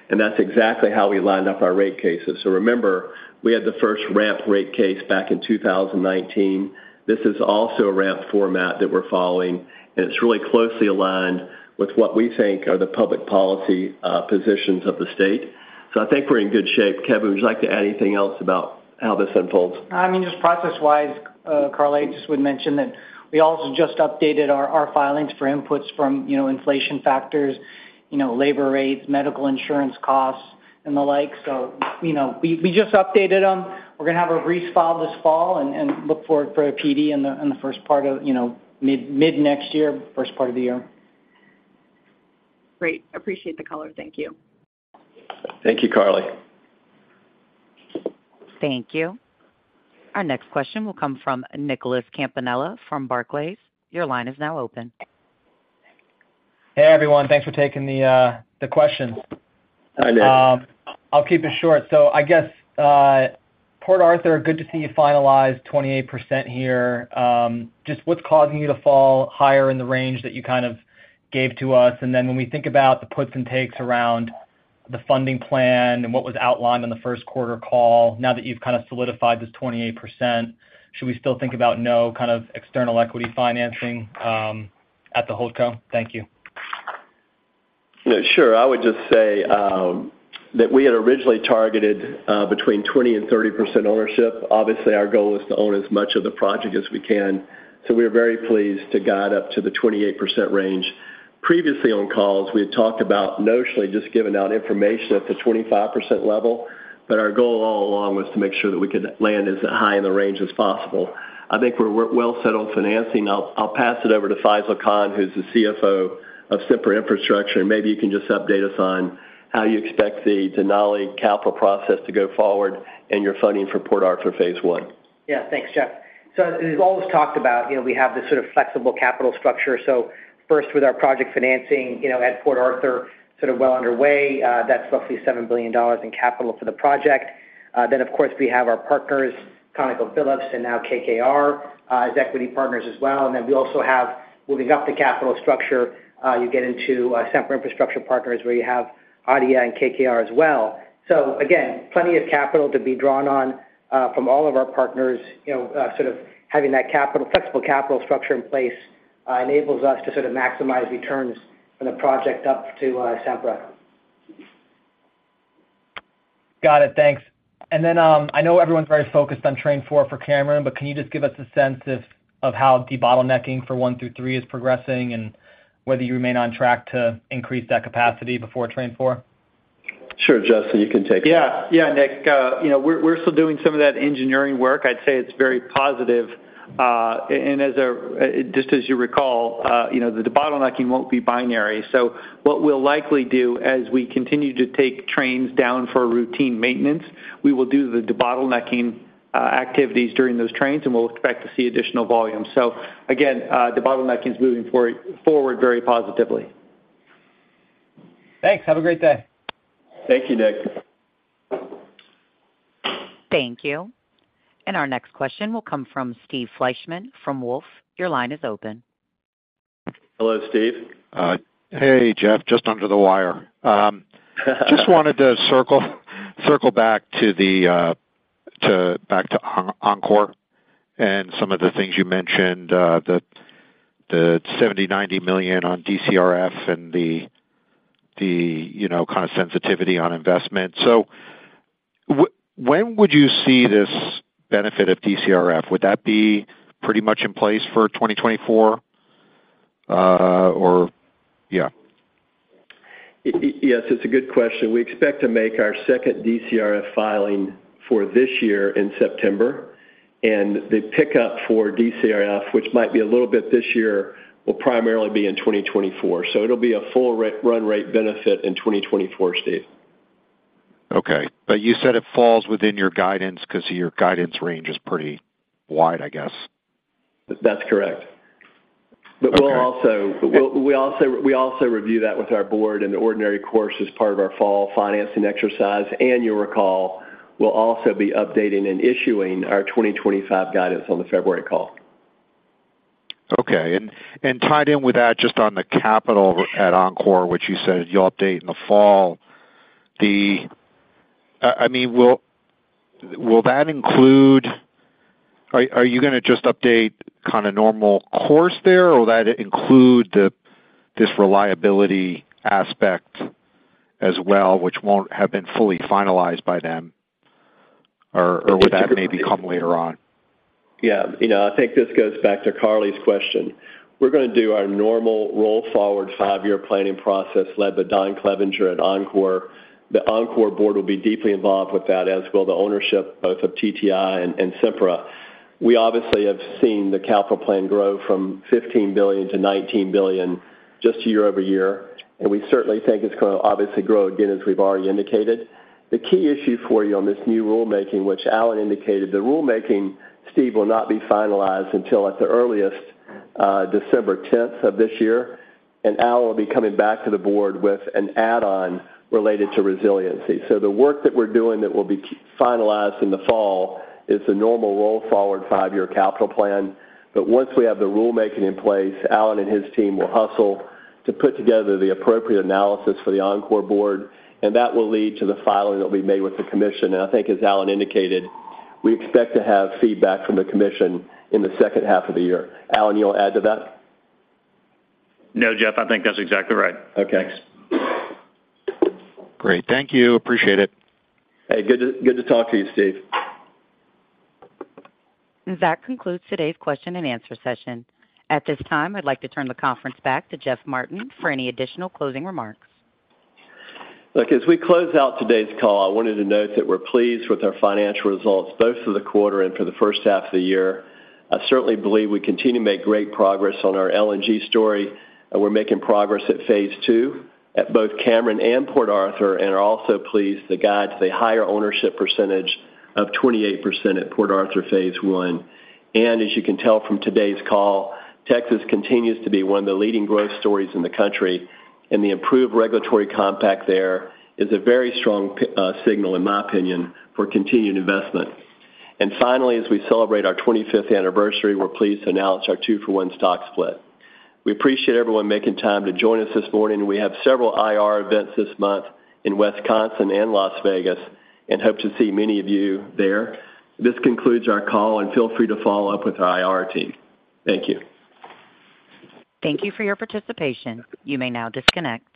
and that's exactly how we lined up our rate cases. Remember, we had the first ramp rate case back in 2019. This is also a ramp format that we're following, and it's really closely aligned with what we think are the public policy positions of the state. I think we're in good shape. Kevin, would you like to add anything else about how this unfolds? I mean, just process-wise, Carly, I just would mention that we also just updated our, our filings for inputs from, you know, inflation factors, you know, labor rates, medical insurance costs, and the like. You know, we, we just updated them. We're going to have a brief file this fall and look forward for a PD in the first part of, you know, mid-next year, first part of the year. Great. Appreciate the color. Thank you. Thank you, Carly. Thank you. Our next question will come from Nicholas Campanella from Barclays. Your line is now open. Hey, everyone. Thanks for taking the question. Hi, Nick. I'll keep it short. I guess, Port Arthur, good to see you finalize 28% here. Just what's causing you to fall higher in the range that you kind of gave to us? When we think about the puts and takes around the funding plan and what was outlined in the first quarter call, now that you've kind of solidified this 28%, should we still think about no kind of external equity financing at the holdco? Thank you. Yeah, sure. I would just say that we had originally targeted between 20% and 30% ownership. Obviously, our goal is to own as much of the project as we can, so we are very pleased to guide up to the 28% range. Previously on calls, we had talked about notionally just giving out information at the 25% level, but our goal all along was to make sure that we could land as high in the range as possible. I think we're well settled financing. I'll, I'll pass it over to Faisel Khan, who's the CFO of Sempra Infrastructure, and maybe you can just update us on how you expect the Denali capital process to go forward and your funding for Port Arthur Phase One. Yeah. Thanks, Jeff. As we've always talked about, you know, we have this sort of flexible capital structure. First, with our project financing, you know, at Port Arthur, sort of well underway, that's roughly $7 billion in capital for the project. Of course, we have our partners, ConocoPhillips and now KKR, as equity partners as well. We also have, moving up the capital structure, you get into Sempra Infrastructure Partners, where you have ADIA and KKR as well. Again, plenty of capital to be drawn on from all of our partners. You know, sort of having that flexible capital structure in place, enables us to sort of maximize returns from the project up to Sempra. Got it. Thanks. Then, I know everyone's very focused on train four for Cameron, but can you just give us a sense of, of how debottlenecking for one through three is progressing and whether you remain on track to increase that capacity before train four? Sure. Justin, you can take that. Yeah. Yeah, Nick, you know, we're, we're still doing some of that engineering work. I'd say it's very positive. Just as you recall, you know, the debottlenecking won't be binary. What we'll likely do as we continue to take trains down for routine maintenance, we will do the debottlenecking, activities during those trains, and we'll expect to see additional volume. Again, debottlenecking is moving forward very positively. Thanks. Have a great day. Thank you, Nick. Thank you. Our next question will come from Steve Fleishman from Wolfe. Your line is open. Hello, Steve. Hey, Jeff, just under the wire. Just wanted to circle, circle back to the back to Oncor and some of the things you mentioned, the $70 million, $90 million on DCRF and the, you know, kind of sensitivity on investment. When would you see this benefit of DCRF? Would that be pretty much in place for 2024, or yeah? Yes, it's a good question. We expect to make our second DCRF filing for this year in September, the pickup for DCRF, which might be a little bit this year, will primarily be in 2024. It'll be a full run rate benefit in 2024, Steve. Okay, you said it falls within your guidance because your guidance range is pretty wide, I guess. That's correct. Okay. We'll also review that with our board in the ordinary course as part of our fall financing exercise. You'll recall, we'll also be updating and issuing our 2025 guidance on the February call. Okay. And tied in with that, just on the capital at Oncor, which you said you'll update in the fall. I mean, will that include? Are you gonna just update kind of normal course there, or will that include the, this reliability aspect as well, which won't have been fully finalized by then? Or will that maybe come later on? Yeah. You know, I think this goes back to Carly's question. We're gonna do our normal roll forward 5-year planning process, led by Don Clevenger at Encor. The Encor board will be deeply involved with that, as will the ownership both of TTI and, and Sempra. We obviously have seen the capital plan grow from $15 billion to $19 billion just year-over-year, and we certainly think it's gonna obviously grow again, as we've already indicated. The key issue for you on this new rulemaking, which Allen indicated, the rulemaking, Steve, will not be finalized until, at the earliest, December 10th of this year. Al will be coming back to the board with an add-on related to resiliency. The work that we're doing that will be finalized in the fall is the normal roll forward five-year capital plan. Once we have the rulemaking in place, Allen and his team will hustle to put together the appropriate analysis for the Oncor board, and that will lead to the filing that will be made with the commission. I think, as Allen indicated, we expect to have feedback from the commission in the second half of the year. Allen, you want to add to that? No, Jeff, I think that's exactly right. Okay. Great. Thank you. Appreciate it. Hey, good to talk to you, Steve. That concludes today's question and answer session. At this time, I'd like to turn the conference back to Jeff Martin for any additional closing remarks. Look, as we close out today's call, I wanted to note that we're pleased with our financial results, both for the quarter and for the first half of the year. I certainly believe we continue to make great progress on our LNG story, and we're making progress at phase two at both Cameron and Port Arthur, and are also pleased to guide to the higher ownership percentage of 28% at Port Arthur phase one. As you can tell from today's call, Texas continues to be one of the leading growth stories in the country, and the improved regulatory compact there is a very strong signal, in my opinion, for continued investment. Finally, as we celebrate our 25th anniversary, we're pleased to announce our 2-for-1 stock split. We appreciate everyone making time to join us this morning. We have several IR events this month in Wisconsin and Las Vegas, and hope to see many of you there. This concludes our call, and feel free to follow up with our IR team. Thank you. Thank you for your participation. You may now disconnect.